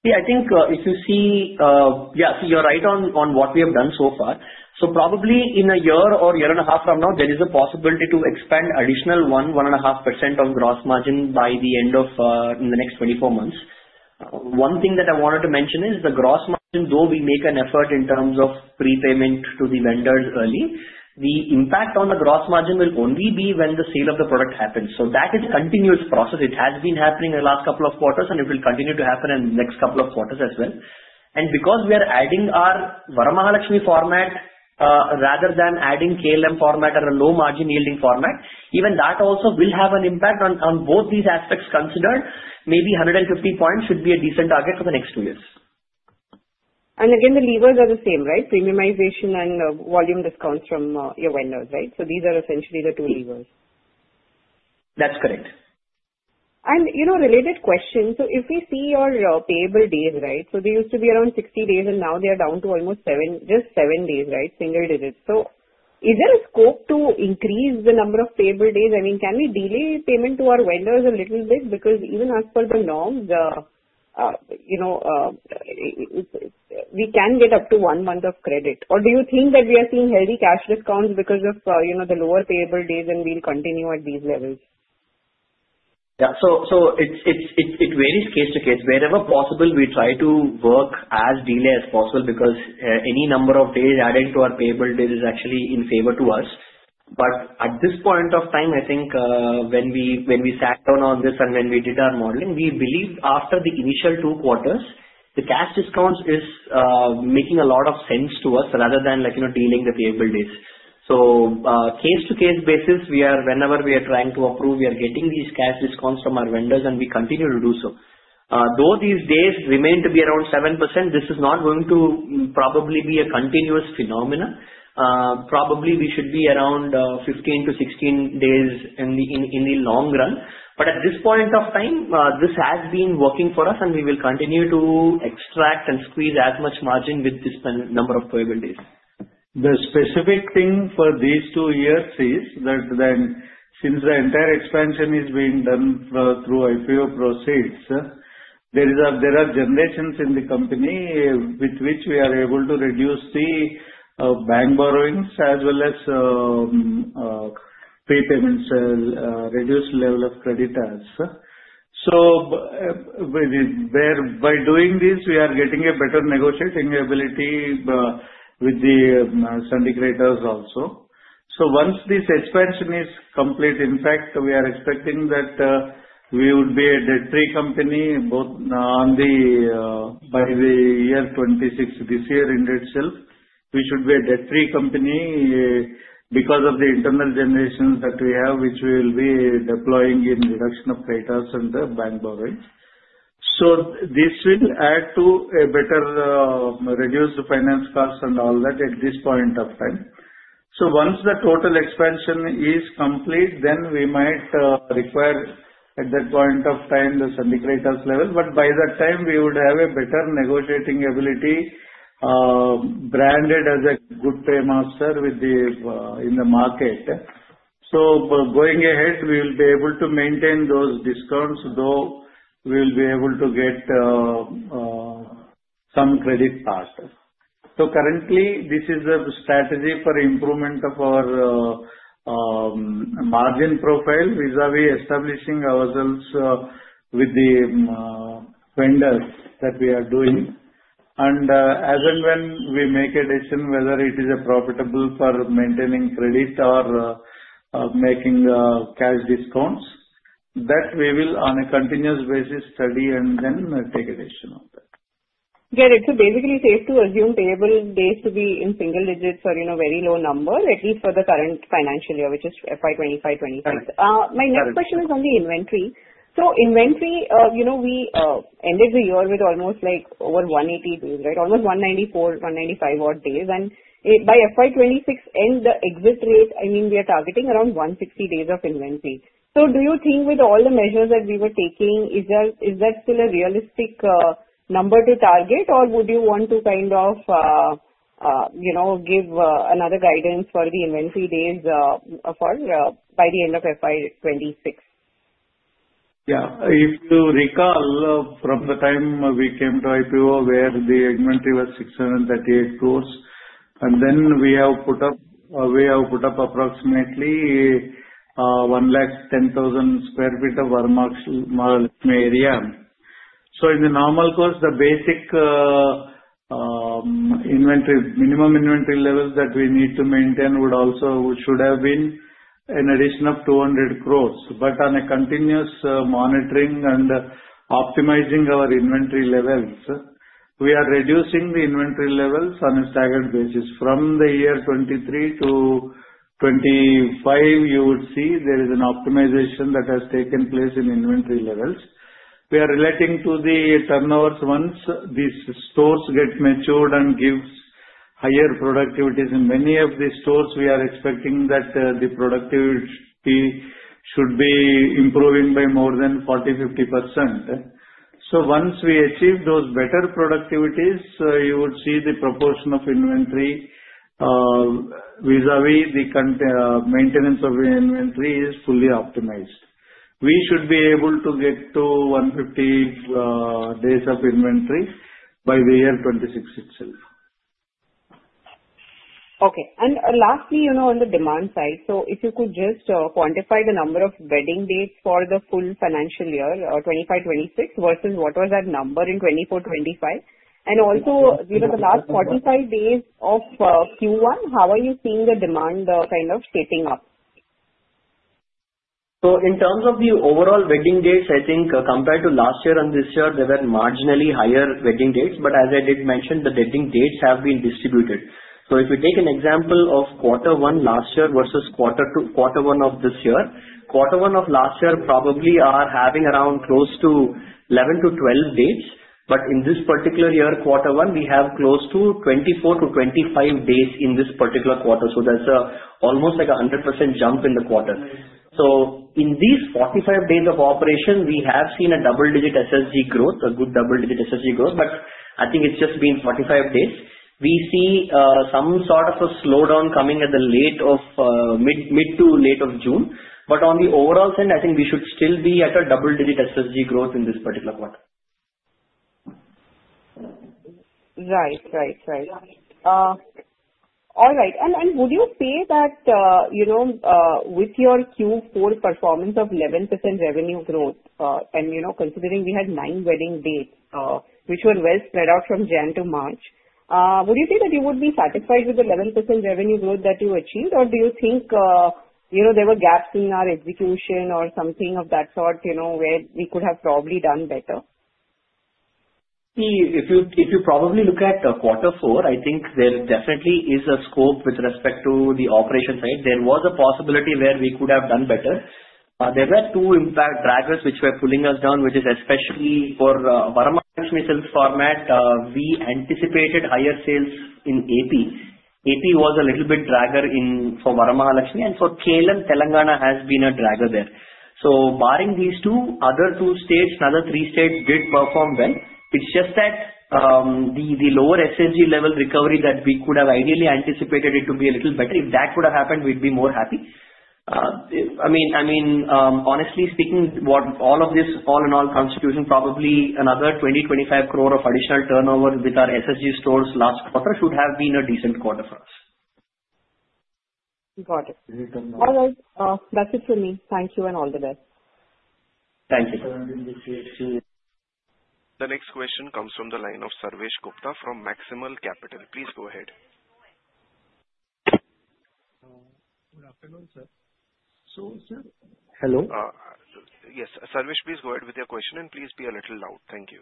Yeah, I think if you see, yeah, so you're right on what we have done so far. So probably in a year or year and a half from now, there is a possibility to expand additional 1%-1.5% of gross margin by the end of the next 24 months. One thing that I wanted to mention is the gross margin, though we make an effort in terms of prepayment to the vendors early, the impact on the gross margin will only be when the sale of the product happens. So that is a continuous process. It has been happening in the last couple of quarters, and it will continue to happen in the next couple of quarters as well. Because we are adding our Varamahalakshmi format rather than adding KLM format or a low margin yielding format, even that also will have an impact on both these aspects considered. Maybe 150 points should be a decent target for the next two years. And again, the levers are the same, right? Premiumization and volume discounts from your vendors, right? So these are essentially the two levers. That's correct. And related questions. So if we see your payable days, right? So they used to be around 60 days, and now they are down to almost just seven days, right? Single digits. So is there a scope to increase the number of payable days? I mean, can we delay payment to our vendors a little bit? Because even as per the norms, we can get up to one month of credit. Or do you think that we are seeing heavy cash discounts because of the lower payable days, and we'll continue at these levels? Yeah, so it varies case to case. Wherever possible, we try to work as delay as possible because any number of days added to our payable days is actually in favor to us. But at this point of time, I think when we sat down on this and when we did our modeling, we believed after the initial two quarters, the cash discounts is making a lot of sense to us rather than dealing with payable days. So case-to-case basis, whenever we are trying to approve, we are getting these cash discounts from our vendors, and we continue to do so. Though these days remain to be around 7%, this is not going to probably be a continuous phenomenon. Probably we should be around 15-16 days in the long run. But at this point of time, this has been working for us, and we will continue to extract and squeeze as much margin with this number of payable days. The specific thing for these two years is that since the entire expansion is being done through IPO proceeds, there are generations in the company with which we are able to reduce the bank borrowings as well as prepayments, reduce level of credit as. So by doing this, we are getting a better negotiating ability with the syndicators also. So once this expansion is complete, in fact, we are expecting that we would be a debt-free company by the year 26 this year in itself. We should be a debt-free company because of the internal generations that we have, which we will be deploying in reduction of creditors and bank borrowings. So this will add to a better reduce the finance costs and all that at this point of time. So once the total expansion is complete, then we might require at that point of time the syndicators level. But by that time, we would have a better negotiating ability branded as a good paymaster in the market. So going ahead, we will be able to maintain those discounts, though we will be able to get some credit faster. So currently, this is the strategy for improvement of our margin profile vis-à-vis establishing ourselves with the vendors that we are doing. And as and when we make a decision whether it is profitable for maintaining credit or making cash discounts, that we will on a continuous basis study and then take a decision on that. Yeah, so basically safe to assume payable days to be in single digits or very low number, at least for the current financial year, which is FY 2025-2026. My next question is on the inventory. So inventory, we ended the year with almost over 180 days, right? Almost 194, 195 odd days. And by FY 2026, end the exit rate, I mean, we are targeting around 160 days of inventory. So do you think with all the measures that we were taking, is that still a realistic number to target, or would you want to kind of give another guidance for the inventory days by the end of FY 2026? Yeah, if you recall from the time we came to IPO where the inventory was 638 crores, and then we have put up, we have put up approximately 110,000 sq ft of Varamahalakshmi area. So in the normal course, the basic minimum inventory level that we need to maintain would also should have been an addition of 200 crores. But on a continuous monitoring and optimizing our inventory levels, we are reducing the inventory levels on a staggered basis. From the year 2023 to 2025, you would see there is an optimization that has taken place in inventory levels. We are relating to the turnovers once these stores get matured and give higher productivities. In many of these stores, we are expecting that the productivity should be improving by more than 40%-50%. So once we achieve those better productivities, you would see the proportion of inventory vis-à-vis the maintenance of inventory is fully optimized. We should be able to get to 150 days of inventory by the year 2026 itself. Okay. And lastly, on the demand side, so if you could just quantify the number of wedding dates for the full financial year 2025-2026 versus what was that number in 2024-2025? And also, the last 45 days of Q1, how are you seeing the demand kind of shaping up? In terms of the overall wedding dates, I think compared to last year and this year, there were marginally higher wedding dates. But as I did mention, the wedding dates have been distributed. If we take an example of quarter one last year versus quarter one of this year, quarter one of last year probably are having around close to 11-12 days. But in this particular year, quarter one, we have close to 24-25 days in this particular quarter. So that's almost like a 100% jump in the quarter. So in these 45 days of operation, we have seen a double-digit SSG growth, a good double-digit SSG growth. But I think it's just been 45 days. We see some sort of a slowdown coming at the late of mid to late of June. On the overall side, I think we should still be at a double-digit SSG growth in this particular quarter. Right, right, right. All right. And would you say that with your Q4 performance of 11% revenue growth, and considering we had nine wedding dates, which were well spread out from January to March, would you say that you would be satisfied with the 11% revenue growth that you achieved, or do you think there were gaps in our execution or something of that sort where we could have probably done better? See, if you probably look at quarter four, I think there definitely is a scope with respect to the operation side. There was a possibility where we could have done better. There were two drivers which were pulling us down, which is especially for Varamahalakshmi sales format. We anticipated higher sales in AP. AP was a little bit dragger for Varamahalakshmi, and for KLM, Telangana has been a dragger there. So barring these two, other two states, another three states did perform well. It's just that the lower SSG level recovery that we could have ideally anticipated it to be a little better. If that could have happened, we'd be more happy. I mean, honestly speaking, all of this, all in all, contribution probably another 20 crore-25 crore of additional turnover with our SSG stores last quarter should have been a decent quarter for us. Got it. All right. That's it for me. Thank you and all the best. Thank you. The next question comes from the line of Sarvesh Gupta from Maximal Capital. Please go ahead. Good afternoon, sir. So sir. Hello? Yes, Sarvesh, please go ahead with your question and please be a little loud. Thank you.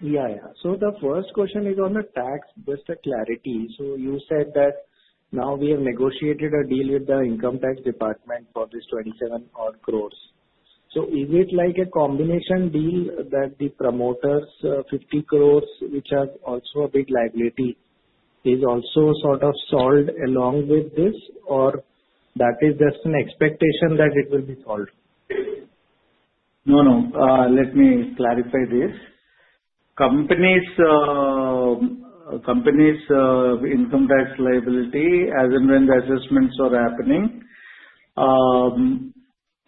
Yeah, yeah. So the first question is on the tax, just a clarity. So you said that now we have negotiated a deal with the income tax department for this 27 odd crores. So is it like a combination deal that the promoters, 50 crores, which are also a big liability, is also sort of solved along with this, or that is just an expectation that it will be solved? No, no. Let me clarify this. Company's income tax liability as and when the assessments are happening,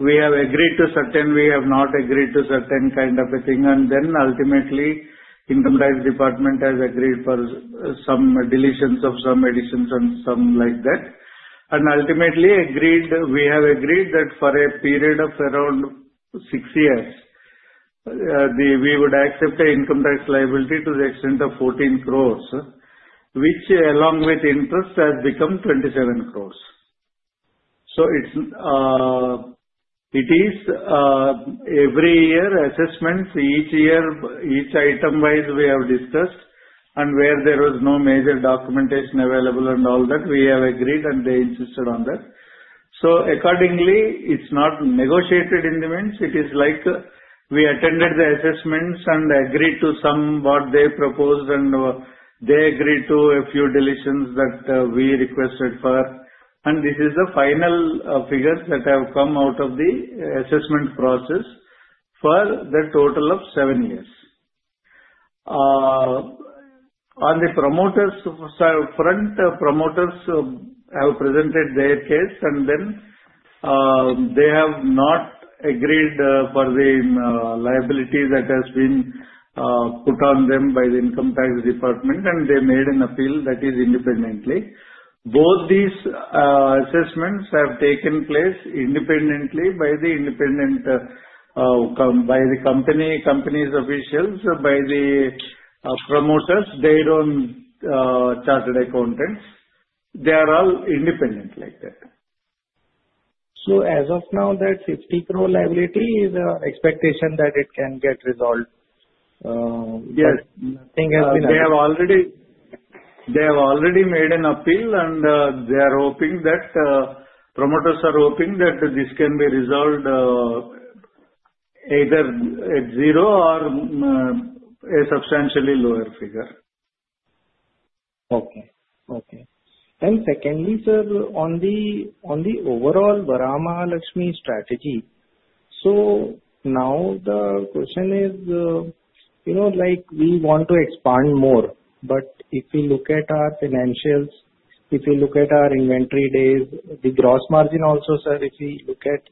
we have agreed to certain. We have not agreed to certain kind of a thing. And then ultimately, the income tax department has agreed for some deletions of some additions and some like that. And ultimately, we have agreed that for a period of around six years, we would accept an income tax liability to the extent of 14 crores, which along with interest has become 27 crores. So it is every year assessments, each year, each item-wise we have discussed, and where there was no major documentation available and all that, we have agreed and they insisted on that. So accordingly, it's not negotiated in the meantime. It is like we attended the assessments and agreed to some of what they proposed, and they agreed to a few deletions that we requested for. This is the final figures that have come out of the assessment process for the total of seven years. On the promoters' front, promoters have presented their case, and then they have not agreed for the liability that has been put on them by the income tax department, and they made an appeal that is independently. Both these assessments have taken place independently by the companies' officials, by the promoters, their own chartered accountants. They are all independent like that. So as of now, that 50 crore liability is an expectation that it can get resolved. Nothing has been done. Yes, they have already made an appeal, and they are hoping that promoters are hoping that this can be resolved either at zero or a substantially lower figure. Okay, okay. And secondly, sir, on the overall Varamahalakshmi strategy, so now the question is we want to expand more. But if you look at our financials, if you look at our inventory days, the gross margin also, sir, if you look at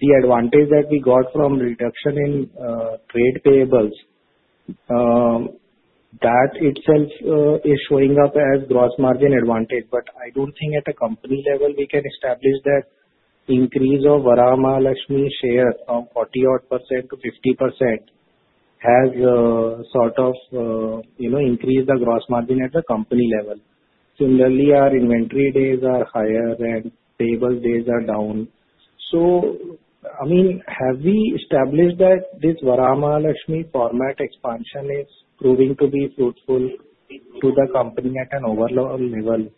the advantage that we got from reduction in trade payables, that itself is showing up as gross margin advantage. But I don't think at a company level we can establish that increase of Varamahalakshmi share from 40%-50% odd has sort of increased the gross margin at the company level. Similarly, our inventory days are higher and payable days are down. So I mean, have we established that this Varamahalakshmi format expansion is proving to be fruitful to the company at an overall level?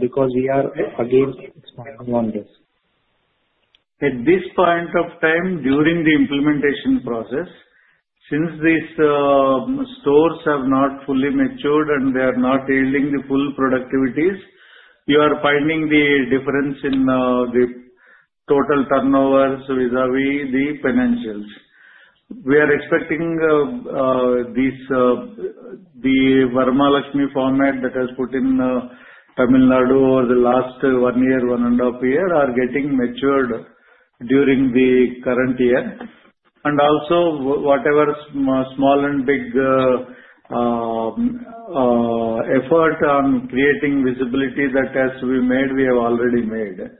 Because we are again expanding on this. At this point of time, during the implementation process, since these stores have not fully matured and they are not yielding the full productivities, you are finding the difference in the total turnover vis-à-vis the financials. We are expecting the Varamahalakshmi format that has put in Tamil Nadu over the last one year, one and a half year are getting matured during the current year. And also, whatever small and big effort on creating visibility that has to be made, we have already made.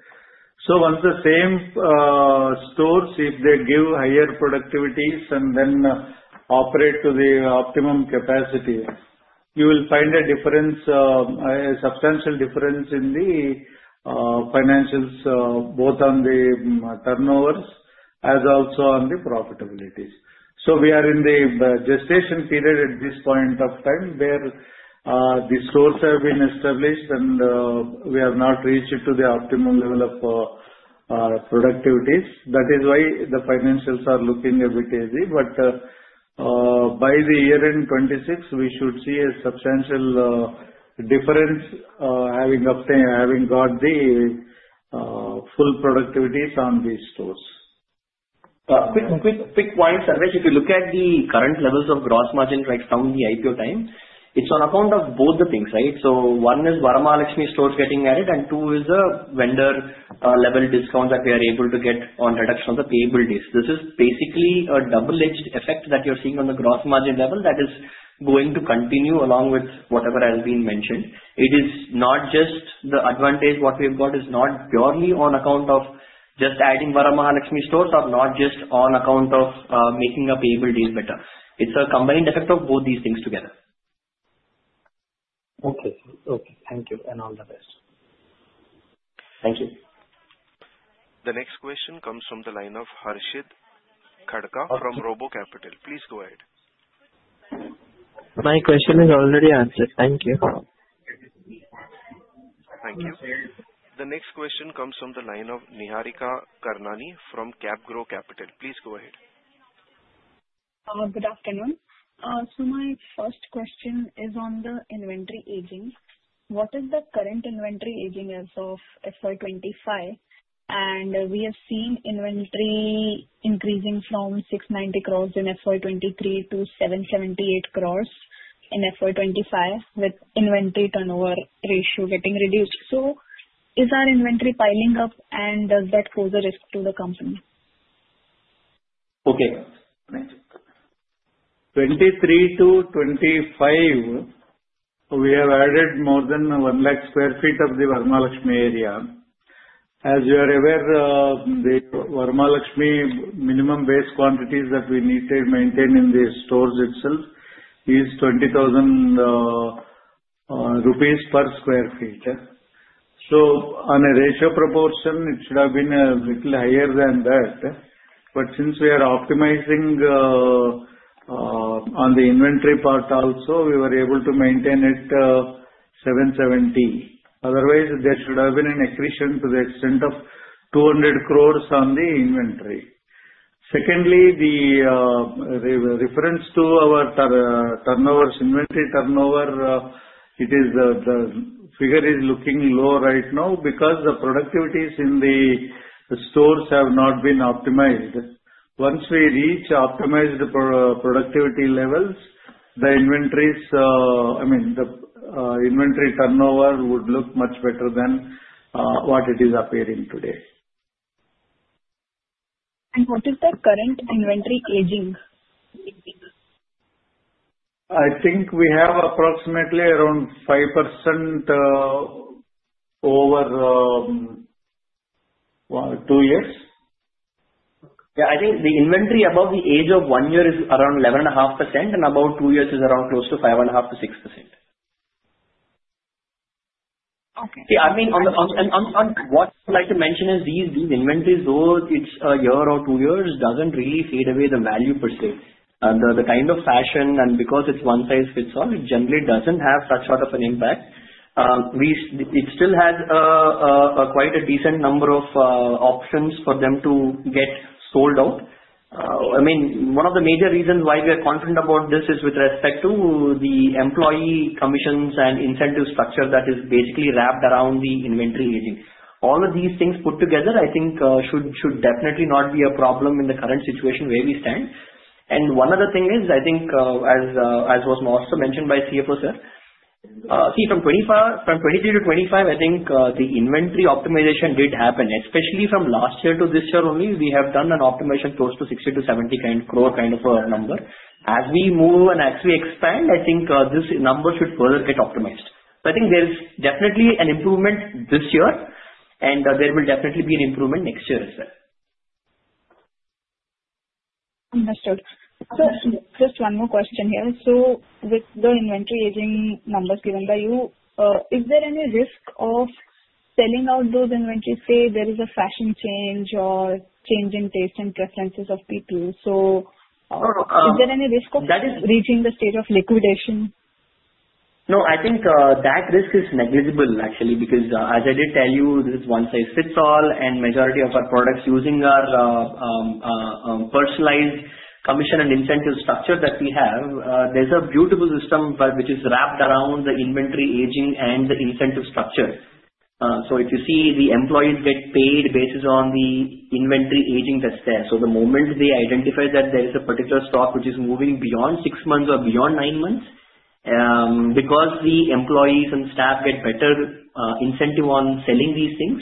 So once the same stores, if they give higher productivities and then operate to the optimum capacity, you will find a difference, a substantial difference in the financials, both on the turnovers as also on the profitabilities. So we are in the gestation period at this point of time where the stores have been established and we have not reached to the optimum level of productivities. That is why the financials are looking a bit hazy. But by the year end 2026, we should see a substantial difference having got the full productivities on these stores. Quick point, Sarvesh, if you look at the current levels of gross margin right from the IPO time, it's on account of both the things, right? So one is Varamahalakshmi stores getting added and two is the vendor-level discounts that we are able to get on reduction of the payable days. This is basically a double-edged effect that you're seeing on the gross margin level that is going to continue along with whatever has been mentioned. It is not just the advantage what we have got is not purely on account of just adding Varamahalakshmi stores or not just on account of making our payable days better. It's a combined effect of both these things together. Okay, okay. Thank you and all the best. Thank you. The next question comes from the line of Harshit Khadka from RoboCapital. Please go ahead. My question is already answered. Thank you. Thank you. The next question comes from the line of Niharika Karnani from CapGrow Capital. Please go ahead. Good afternoon. So my first question is on the inventory aging. What is the current inventory aging as of FY 2025? And we have seen inventory increasing from 690 crores in FY 2023 to 778 crores in FY 2025 with inventory turnover ratio getting reduced. So is our inventory piling up and does that pose a risk to the company? Okay. 2023 to 2025, we have added more than 1 lakh sq ft of the Varamahalakshmi area. As you are aware, the Varamahalakshmi minimum base quantities that we need to maintain in the stores itself is 20,000 rupees per sq ft. So on a ratio proportion, it should have been a little higher than that. But since we are optimizing on the inventory part also, we were able to maintain it 770 crore. Otherwise, there should have been an accretion to the extent of 200 crore on the inventory. Secondly, the reference to our turnovers, inventory turnover, the figure is looking low right now because the productivities in the stores have not been optimized. Once we reach optimized productivity levels, the inventory's I mean, the inventory turnover would look much better than what it is appearing today. What is the current inventory aging? I think we have approximately around 5% over two years. Yeah, I think the inventory above the age of one year is around 11.5% and above two years is around close to 5.5%-6%. Okay. Yeah, I mean, on what I'd like to mention is these inventories, though it's a year or two years, doesn't really fade away the value per se. The kind of fashion and because it's one size fits all, it generally doesn't have such sort of an impact. It still has quite a decent number of options for them to get sold out. I mean, one of the major reasons why we are confident about this is with respect to the employee commissions and incentive structure that is basically wrapped around the inventory aging. All of these things put together, I think, should definitely not be a problem in the current situation where we stand. And one other thing is, I think, as was also mentioned by CFO, sir, see, from 2023 to 2025, I think the inventory optimization did happen, especially from last year to this year only. We have done an optimization close to 60 crore-70 crore kind of a number. As we move and as we expand, I think this number should further get optimized. So I think there's definitely an improvement this year, and there will definitely be an improvement next year as well. Understood. So just one more question here. So with the inventory aging numbers given by you, is there any risk of selling out those inventories? Say there is a fashion change or change in taste and preferences of people. So is there any risk of reaching the stage of liquidation? No, I think that risk is negligible, actually, because as I did tell you, this is one size fits all, and majority of our products using our personalized commission and incentive structure that we have. There's a beautiful system which is wrapped around the inventory aging and the incentive structure. So if you see the employees get paid based on the inventory aging that's there. So the moment they identify that there is a particular stock which is moving beyond six months or beyond nine months, because the employees and staff get better incentive on selling these things,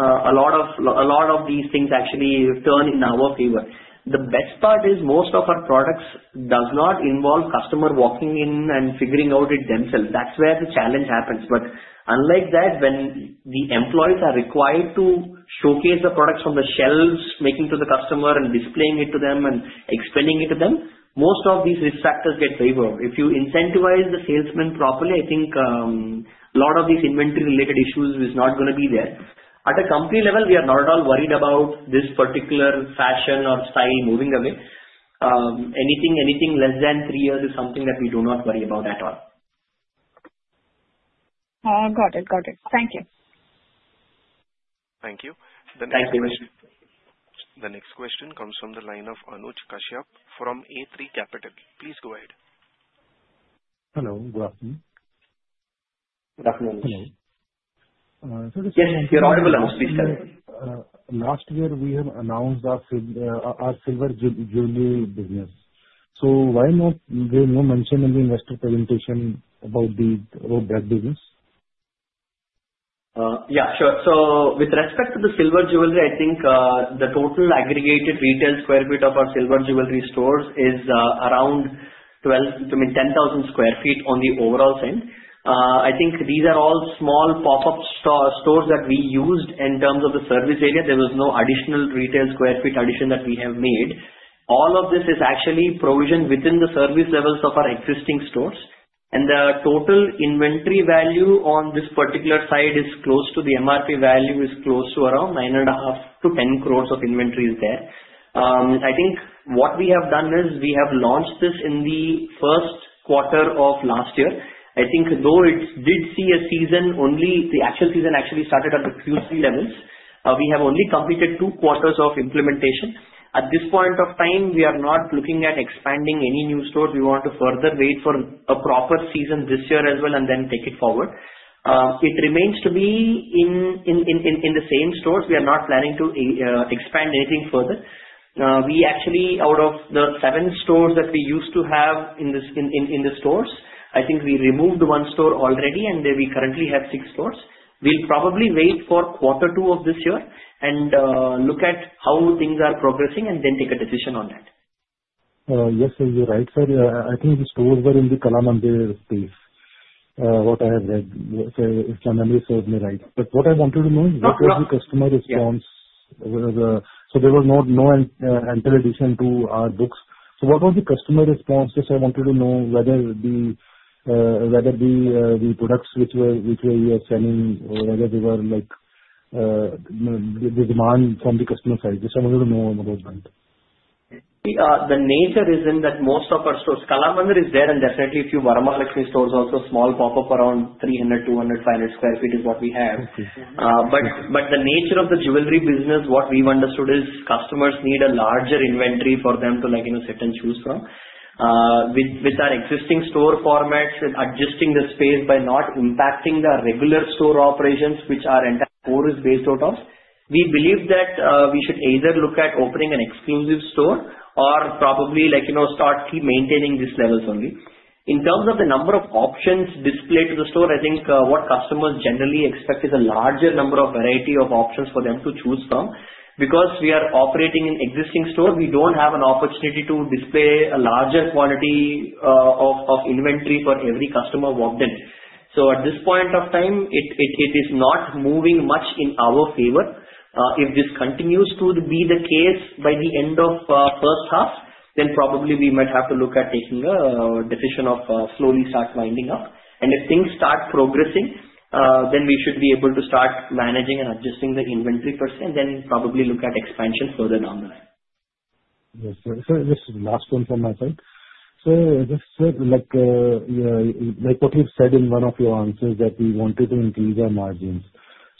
a lot of these things actually turn in our favor. The best part is most of our products does not involve customer walking in and figuring out it themselves. That's where the challenge happens. But unlike that, when the employees are required to showcase the products from the shelves, making it to the customer and displaying it to them and explaining it to them, most of these risk factors get favored. If you incentivize the salesmen properly, I think a lot of these inventory-related issues are not going to be there. At a company level, we are not at all worried about this particular fashion or style moving away. Anything less than three years is something that we do not worry about at all. Got it, got it. Thank you. Thank you. The next question comes from the line of Anuj Kashyap from A3 Capital. Please go ahead. Hello. Good afternoon. Good afternoon, Anuj. Hello. Yes, you're audible. Anuj, please tell us. Last year, we announced our silver jewelry business. So why not mention in the investor presentation about the readymade business? Yeah, sure. So with respect to the silver jewelry, I think the total aggregated retail sq ft of our silver jewelry stores is around 10,000 sq ft on the overall side. I think these are all small pop-up stores that we used in terms of the service area. There was no additional retail sq ft addition that we have made. All of this is actually provisioned within the service levels of our existing stores. And the total inventory value on this particular side is close to the MRP value is close to around 9.5 crore-INR10 crores of inventories there. I think what we have done is we have launched this in the first quarter of last year. I think though it did see a season only, the actual season actually started at the Q3 levels. We have only completed two quarters of implementation. At this point of time, we are not looking at expanding any new stores. We want to further wait for a proper season this year as well and then take it forward. It remains to be in the same stores. We are not planning to expand anything further. We actually, out of the seven stores that we used to have in the stores, I think we removed one store already, and we currently have six stores. We'll probably wait for quarter two of this year and look at how things are progressing and then take a decision on that. Yes, you're right, sir. I think the stores were in the Kalamandir space, what I have read. If my memory serves me right. But what I wanted to know is what was the customer response? So there was no entire addition to our books. So what was the customer response? Just I wanted to know whether the products which were you are selling, whether they were the demand from the customer side. Just I wanted to know about that. The nature is in that most of our stores, Kalamandir is there, and definitely a few Varamahalakshmi stores also, small pop-up around 300, 200, 500 sq ft is what we have. But the nature of the jewelry business, what we've understood is customers need a larger inventory for them to sit and choose from. With our existing store formats, adjusting the space by not impacting the regular store operations, which our entire core is based out of, we believe that we should either look at opening an exclusive store or probably start keep maintaining these levels only. In terms of the number of options displayed to the store, I think what customers generally expect is a larger number of variety of options for them to choose from. Because we are operating in existing stores, we don't have an opportunity to display a larger quantity of inventory for every customer walked in. So at this point of time, it is not moving much in our favor. If this continues to be the case by the end of first half, then probably we might have to look at taking a decision of slowly start winding up. And if things start progressing, then we should be able to start managing and adjusting the inventory per se, and then probably look at expansion further down the line. Yes, sir. So this is the last one from my side. So just like what you've said in one of your answers that we wanted to increase our margins.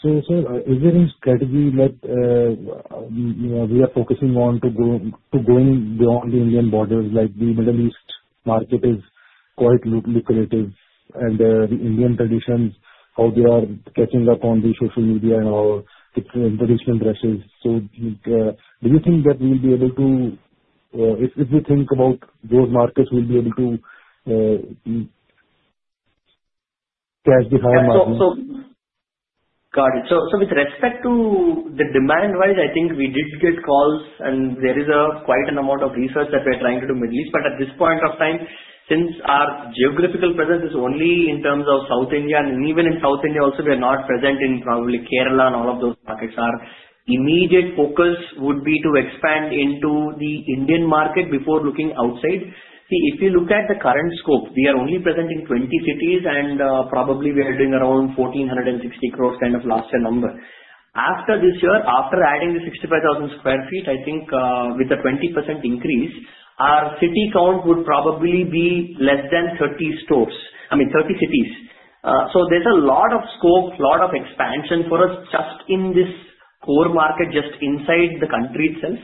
So is there any strategy that we are focusing on to going beyond the Indian borders? Like the Middle East market is quite lucrative, and the Indian traditions, how they are catching up on the social media and our traditional dresses. So do you think that we'll be able to, if we think about those markets, we'll be able to catch the higher market? Got it. So with respect to the demand-wise, I think we did get calls, and there is quite an amount of research that we are trying to do Middle East. But at this point of time, since our geographical presence is only in terms of South India, and even in South India also, we are not present in probably Kerala and all of those markets, our immediate focus would be to expand into the Indian market before looking outside. See, if you look at the current scope, we are only present in 20 cities, and probably we are doing around 1,460 crores kind of last year number. After this year, after adding the 65,000 sq ft, I think with a 20% increase, our city count would probably be less than 30 stores. I mean, 30 cities. There's a lot of scope, a lot of expansion for us just in this core market, just inside the country itself.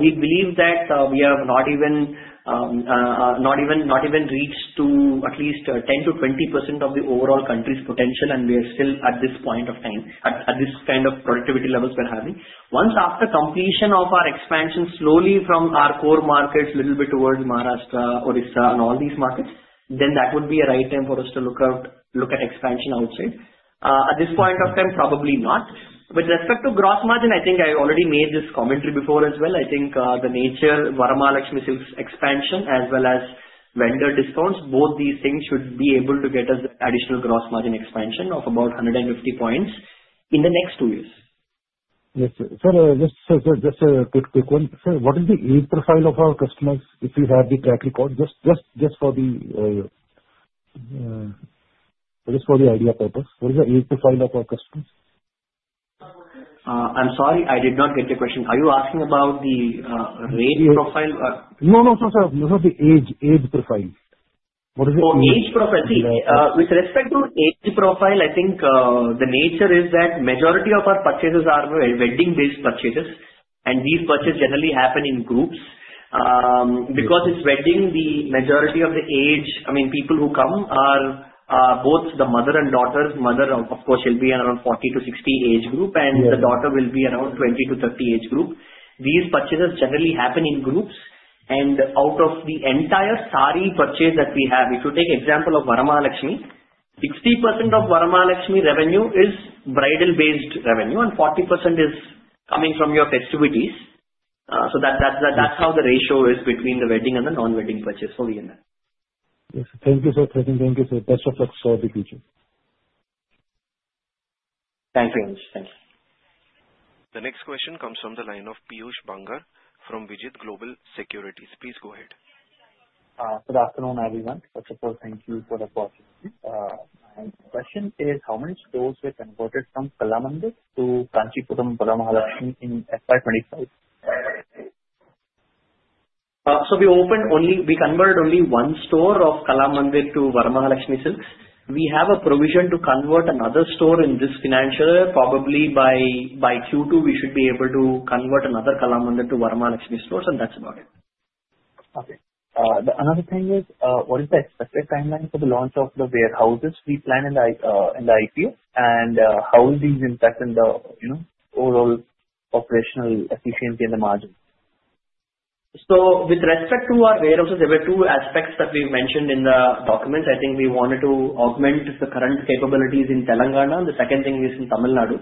We believe that we have not even reached at least 10%-20% of the overall country's potential, and we are still at this point of time, at this kind of productivity levels we're having. Once after completion of our expansion slowly from our core markets, a little bit towards Maharashtra, Orissa, and all these markets, then that would be a right time for us to look at expansion outside. At this point of time, probably not. With respect to gross margin, I think I already made this commentary before as well. I think the nature of Varamahalakshmi Silks expansion as well as vendor discounts, both these things should be able to get us additional gross margin expansion of about 150 points in the next two years. Yes, sir. So just a quick one. So what is the age profile of our customers if we have the track record? Just for the idea purpose, what is the age profile of our customers? I'm sorry, I did not get the question. Are you asking about the rate profile? No, no, no, sir. No, no, the age profile. What is it? Oh, age profile. See, with respect to age profile, I think the nature is that majority of our purchases are wedding-based purchases, and these purchases generally happen in groups. Because it's wedding, the majority of the age, I mean, people who come are both the mother and daughter. Mother, of course, she'll be around 40-60 age group, and the daughter will be around 20-30 age group. These purchases generally happen in groups. And out of the entire saree purchase that we have, if you take example of Varamahalakshmi, 60% of Varamahalakshmi revenue is bridal-based revenue, and 40% is coming from your festivities. So that's how the ratio is between the wedding and the non-wedding purchase. So we are there. Yes. Thank you, sir. Thank you, sir. Best of luck for the future. Thank you, Anuj. Thank you. The next question comes from the line of Piyush Bangar from Vijit Global Securities. Please go ahead. Good afternoon, everyone. First of all, thank you for the opportunity. My question is, how many stores were converted from Kalamandir to Kanchipuram Varamahalakshmi in FY 2025? We converted only one store of Kalamandir to Varamahalakshmi Silks. We have a provision to convert another store in this financial year. Probably by Q2, we should be able to convert another Kalamandir to Varamahalakshmi stores, and that's about it. Okay. Another thing is, what is the expected timeline for the launch of the warehouses we plan in the IPO, and how will these impact on the overall operational efficiency and the margin? So with respect to our warehouses, there were two aspects that we've mentioned in the documents. I think we wanted to augment the current capabilities in Telangana, and the second thing is in Tamil Nadu.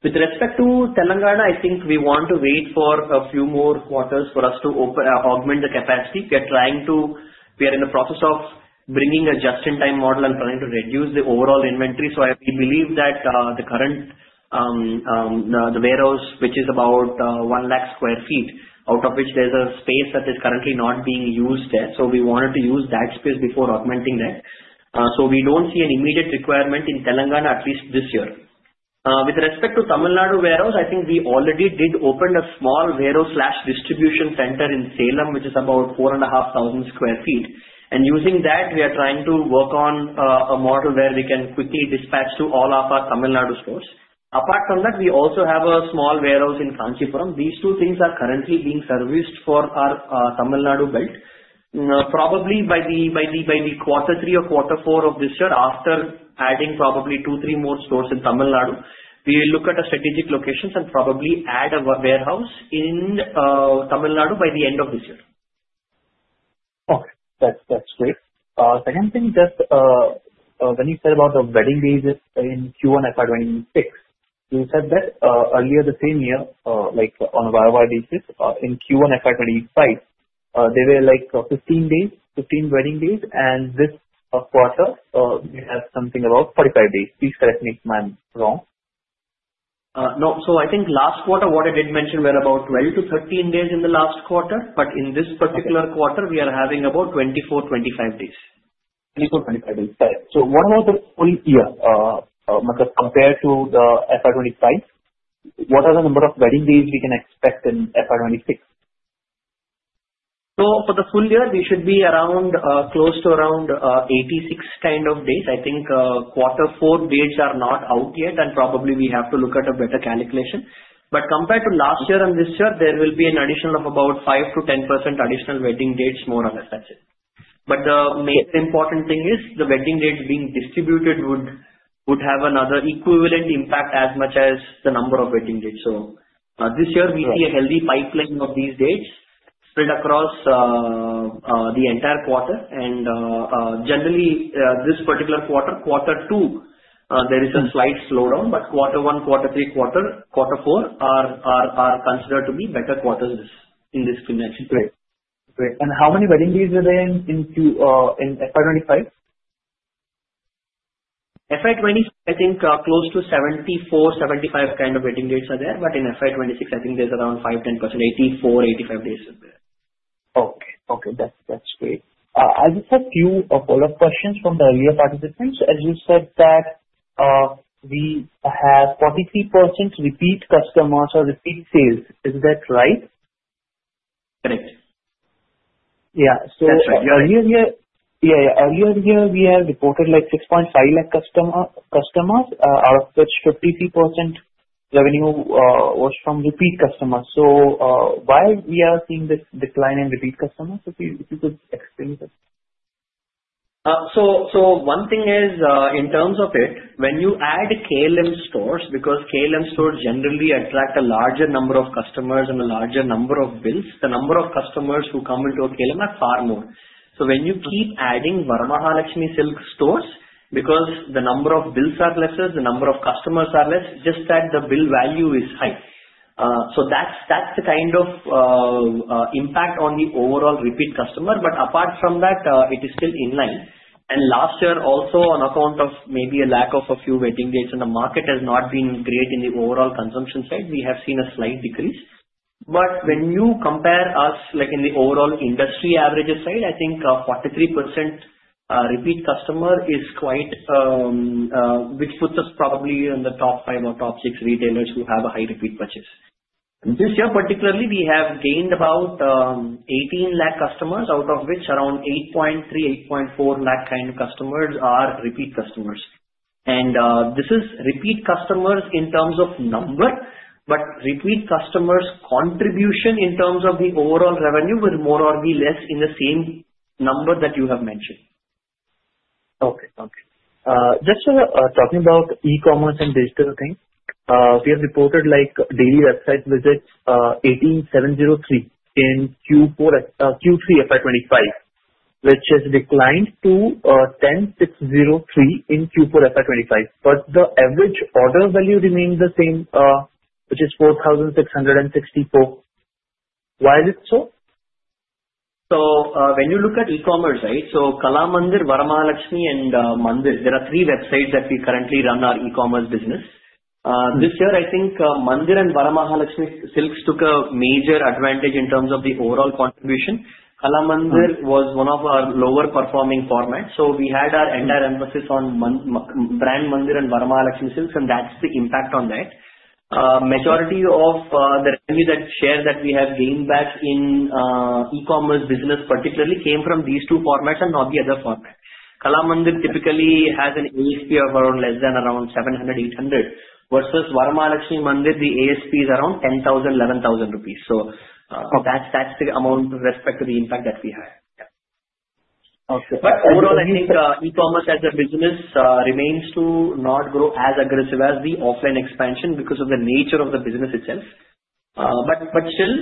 With respect to Telangana, I think we want to wait for a few more quarters for us to augment the capacity. We are trying to, we are in the process of bringing a just-in-time model and trying to reduce the overall inventory. So we believe that the current warehouse, which is about 1 lakh sq ft, out of which there's a space that is currently not being used there. So we wanted to use that space before augmenting that. So we don't see an immediate requirement in Telangana, at least this year. With respect to Tamil Nadu warehouse, I think we already did open a small warehouse/distribution center in Salem, which is about 4,500 sq ft. And using that, we are trying to work on a model where we can quickly dispatch to all of our Tamil Nadu stores. Apart from that, we also have a small warehouse in Kanchipuram. These two things are currently being serviced for our Tamil Nadu belt. Probably by the quarter three or quarter four of this year, after adding probably two, three more stores in Tamil Nadu, we will look at strategic locations and probably add a warehouse in Tamil Nadu by the end of this year. Okay. That's great. Second thing, just when you said about the wedding days in Q1 FY 2026, you said that earlier the same year, on a YoY basis, in Q1 FY 2025, there were 15 days, 15 wedding days, and this quarter, we have something about 45 days. Please correct me if I'm wrong. No. So I think last quarter, what I did mention were about 12-13 days in the last quarter. But in this particular quarter, we are having about 24-25 days. 24-25 days, so what about the full year compared to the FY 2025? What are the number of wedding days we can expect in FY 2026? So for the full year, we should be close to around 86 kind of days. I think quarter four dates are not out yet, and probably we have to look at a better calculation. But compared to last year and this year, there will be an additional of about 5%-10% additional wedding dates, more or less. That's it. But the main important thing is the wedding dates being distributed would have another equivalent impact as much as the number of wedding dates. So this year, we see a healthy pipeline of these dates spread across the entire quarter. And generally, this particular quarter, quarter two, there is a slight slowdown. But quarter one, quarter three, quarter four are considered to be better quarters in this convention. Great. Great. And how many wedding days are there in FY 2025? FY 2026, I think close to 74-75 kind of wedding dates are there. But in FY 2026, I think there's around 5-10%, 84-85 days in there. Okay. That's great. I just have a few follow-up questions from the earlier participants. As you said that we have 43% repeat customers or repeat sales. Is that right? Correct. Yeah. So earlier here, we have reported like 6.5 lakh customers, out of which 53% revenue was from repeat customers. So why we are seeing this decline in repeat customers? If you could explain that. So one thing is, in terms of it, when you add KLM stores, because KLM stores generally attract a larger number of customers and a larger number of bills, the number of customers who come into a KLM are far more. So when you keep adding Varamahalakshmi silk stores, because the number of bills are lesser, the number of customers are less, just that the bill value is high. So that's the kind of impact on the overall repeat customer. But apart from that, it is still in line. And last year, also on account of maybe a lack of a few wedding dates and the market has not been great in the overall consumption side, we have seen a slight decrease. But when you compare us in the overall industry averages side, I think 43% repeat customer is quite, which puts us probably in the top five or top six retailers who have a high repeat purchase. This year, particularly, we have gained about 18 lakh customers, out of which around 8.3, 8.4 lakh kind of customers are repeat customers. And this is repeat customers in terms of number, but repeat customers' contribution in terms of the overall revenue was more or less in the same number that you have mentioned. Okay. Just talking about e-commerce and digital things, we have reported daily website visits 18,703 in Q3 FY 2025, which has declined to 10,603 in Q4 FY 2025. But the average order value remained the same, which is 4,664. Why is it so? So when you look at e-commerce, right, so Kalamandir, Varamahalakshmi, and Mandir, there are three websites that we currently run our e-commerce business. This year, I think Mandir and Varamahalakshmi Silks took a major advantage in terms of the overall contribution. Kalamandir was one of our lower-performing formats. So we had our entire emphasis on brand Mandir and Varamahalakshmi Silks, and that's the impact on that. Majority of the revenue that share that we have gained back in e-commerce business, particularly, came from these two formats and not the other format. Kalamandir typically has an ASP of around less than around 700-800, versus Varamahalakshmi Mandir, the ASP is around 10,000-11,000 rupees. So that's the amount with respect to the impact that we had. Okay. But overall, I think e-commerce as a business remains to not grow as aggressive as the offline expansion because of the nature of the business itself. But still,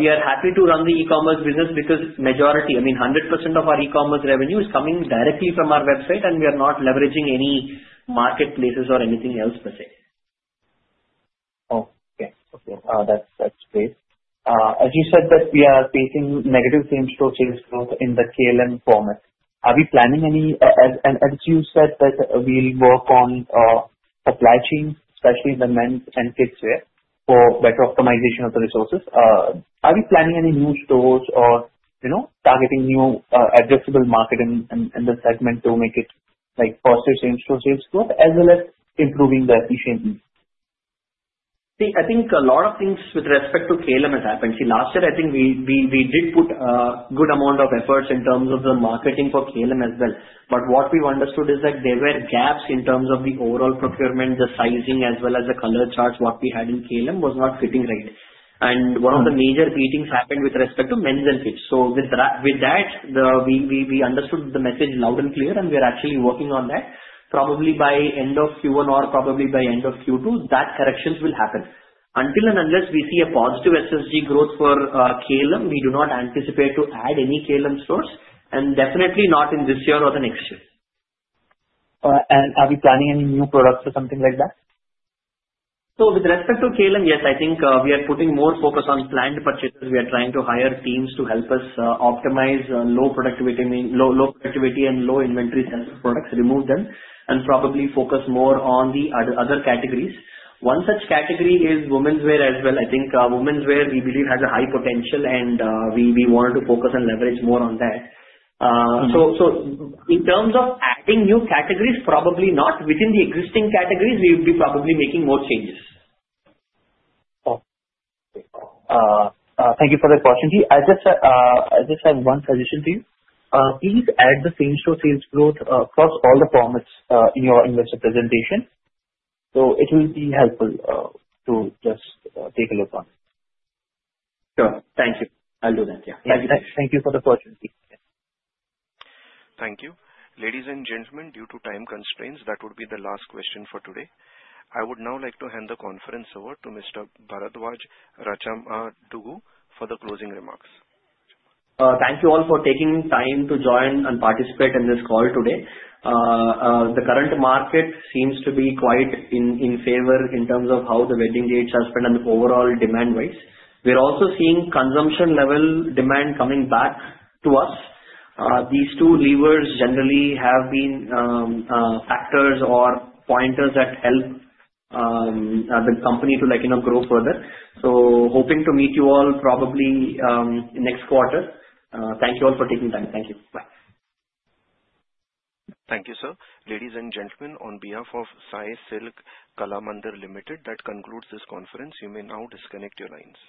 we are happy to run the e-commerce business because majority, I mean, 100% of our e-commerce revenue is coming directly from our website, and we are not leveraging any marketplaces or anything else per se. Okay. Okay. That's great. As you said that we are facing negative same-store sales growth in the KLM format. Are we planning any? And as you said that we'll work on supply chain, especially in the men's and kids' wear for better optimization of the resources. Are we planning any new stores or targeting new addressable market in the segment to make it faster same-store sales growth as well as improving the efficiency? See, I think a lot of things with respect to KLM has happened. See, last year, I think we did put a good amount of efforts in terms of the marketing for KLM as well, but what we've understood is that there were gaps in terms of the overall procurement, the sizing, as well as the color charts what we had in KLM was not fitting right, and one of the major beatings happened with respect to men's and kids, so with that, we understood the message loud and clear, and we are actually working on that. Probably by end of Q1 or probably by end of Q2, that corrections will happen. Until and unless we see a positive SSG growth for KLM, we do not anticipate to add any KLM stores, and definitely not in this year or the next year. Are we planning any new products or something like that? So with respect to KLM, yes, I think we are putting more focus on planned purchases. We are trying to hire teams to help us optimize low productivity and low inventory sales products, remove them, and probably focus more on the other categories. One such category is women's wear as well. I think women's wear, we believe, has a high potential, and we wanted to focus and leverage more on that. So in terms of adding new categories, probably not. Within the existing categories, we would be probably making more changes. Okay. Thank you for the question. I just have one suggestion to you. Please add the same-store sales growth across all the formats in your investor presentation. So it will be helpful to just take a look on it. Sure. Thank you. I'll do that. Yeah. Thank you. Thank you for the question. Thank you. Ladies and gentlemen, due to time constraints, that would be the last question for today. I would now like to hand the conference over to Mr. Bharadwaj Rachamadugu for the closing remarks. Thank you all for taking time to join and participate in this call today. The current market seems to be quite in favor in terms of how the wedding dates are spent and overall demand-wise. We're also seeing consumption-level demand coming back to us. These two levers generally have been factors or pointers that help the company to grow further. So hoping to meet you all probably next quarter. Thank you all for taking time. Thank you. Bye. Thank you, sir. Ladies and gentlemen, on behalf of Sai Silks Kalamandir Limited, that concludes this conference. You may now disconnect your lines.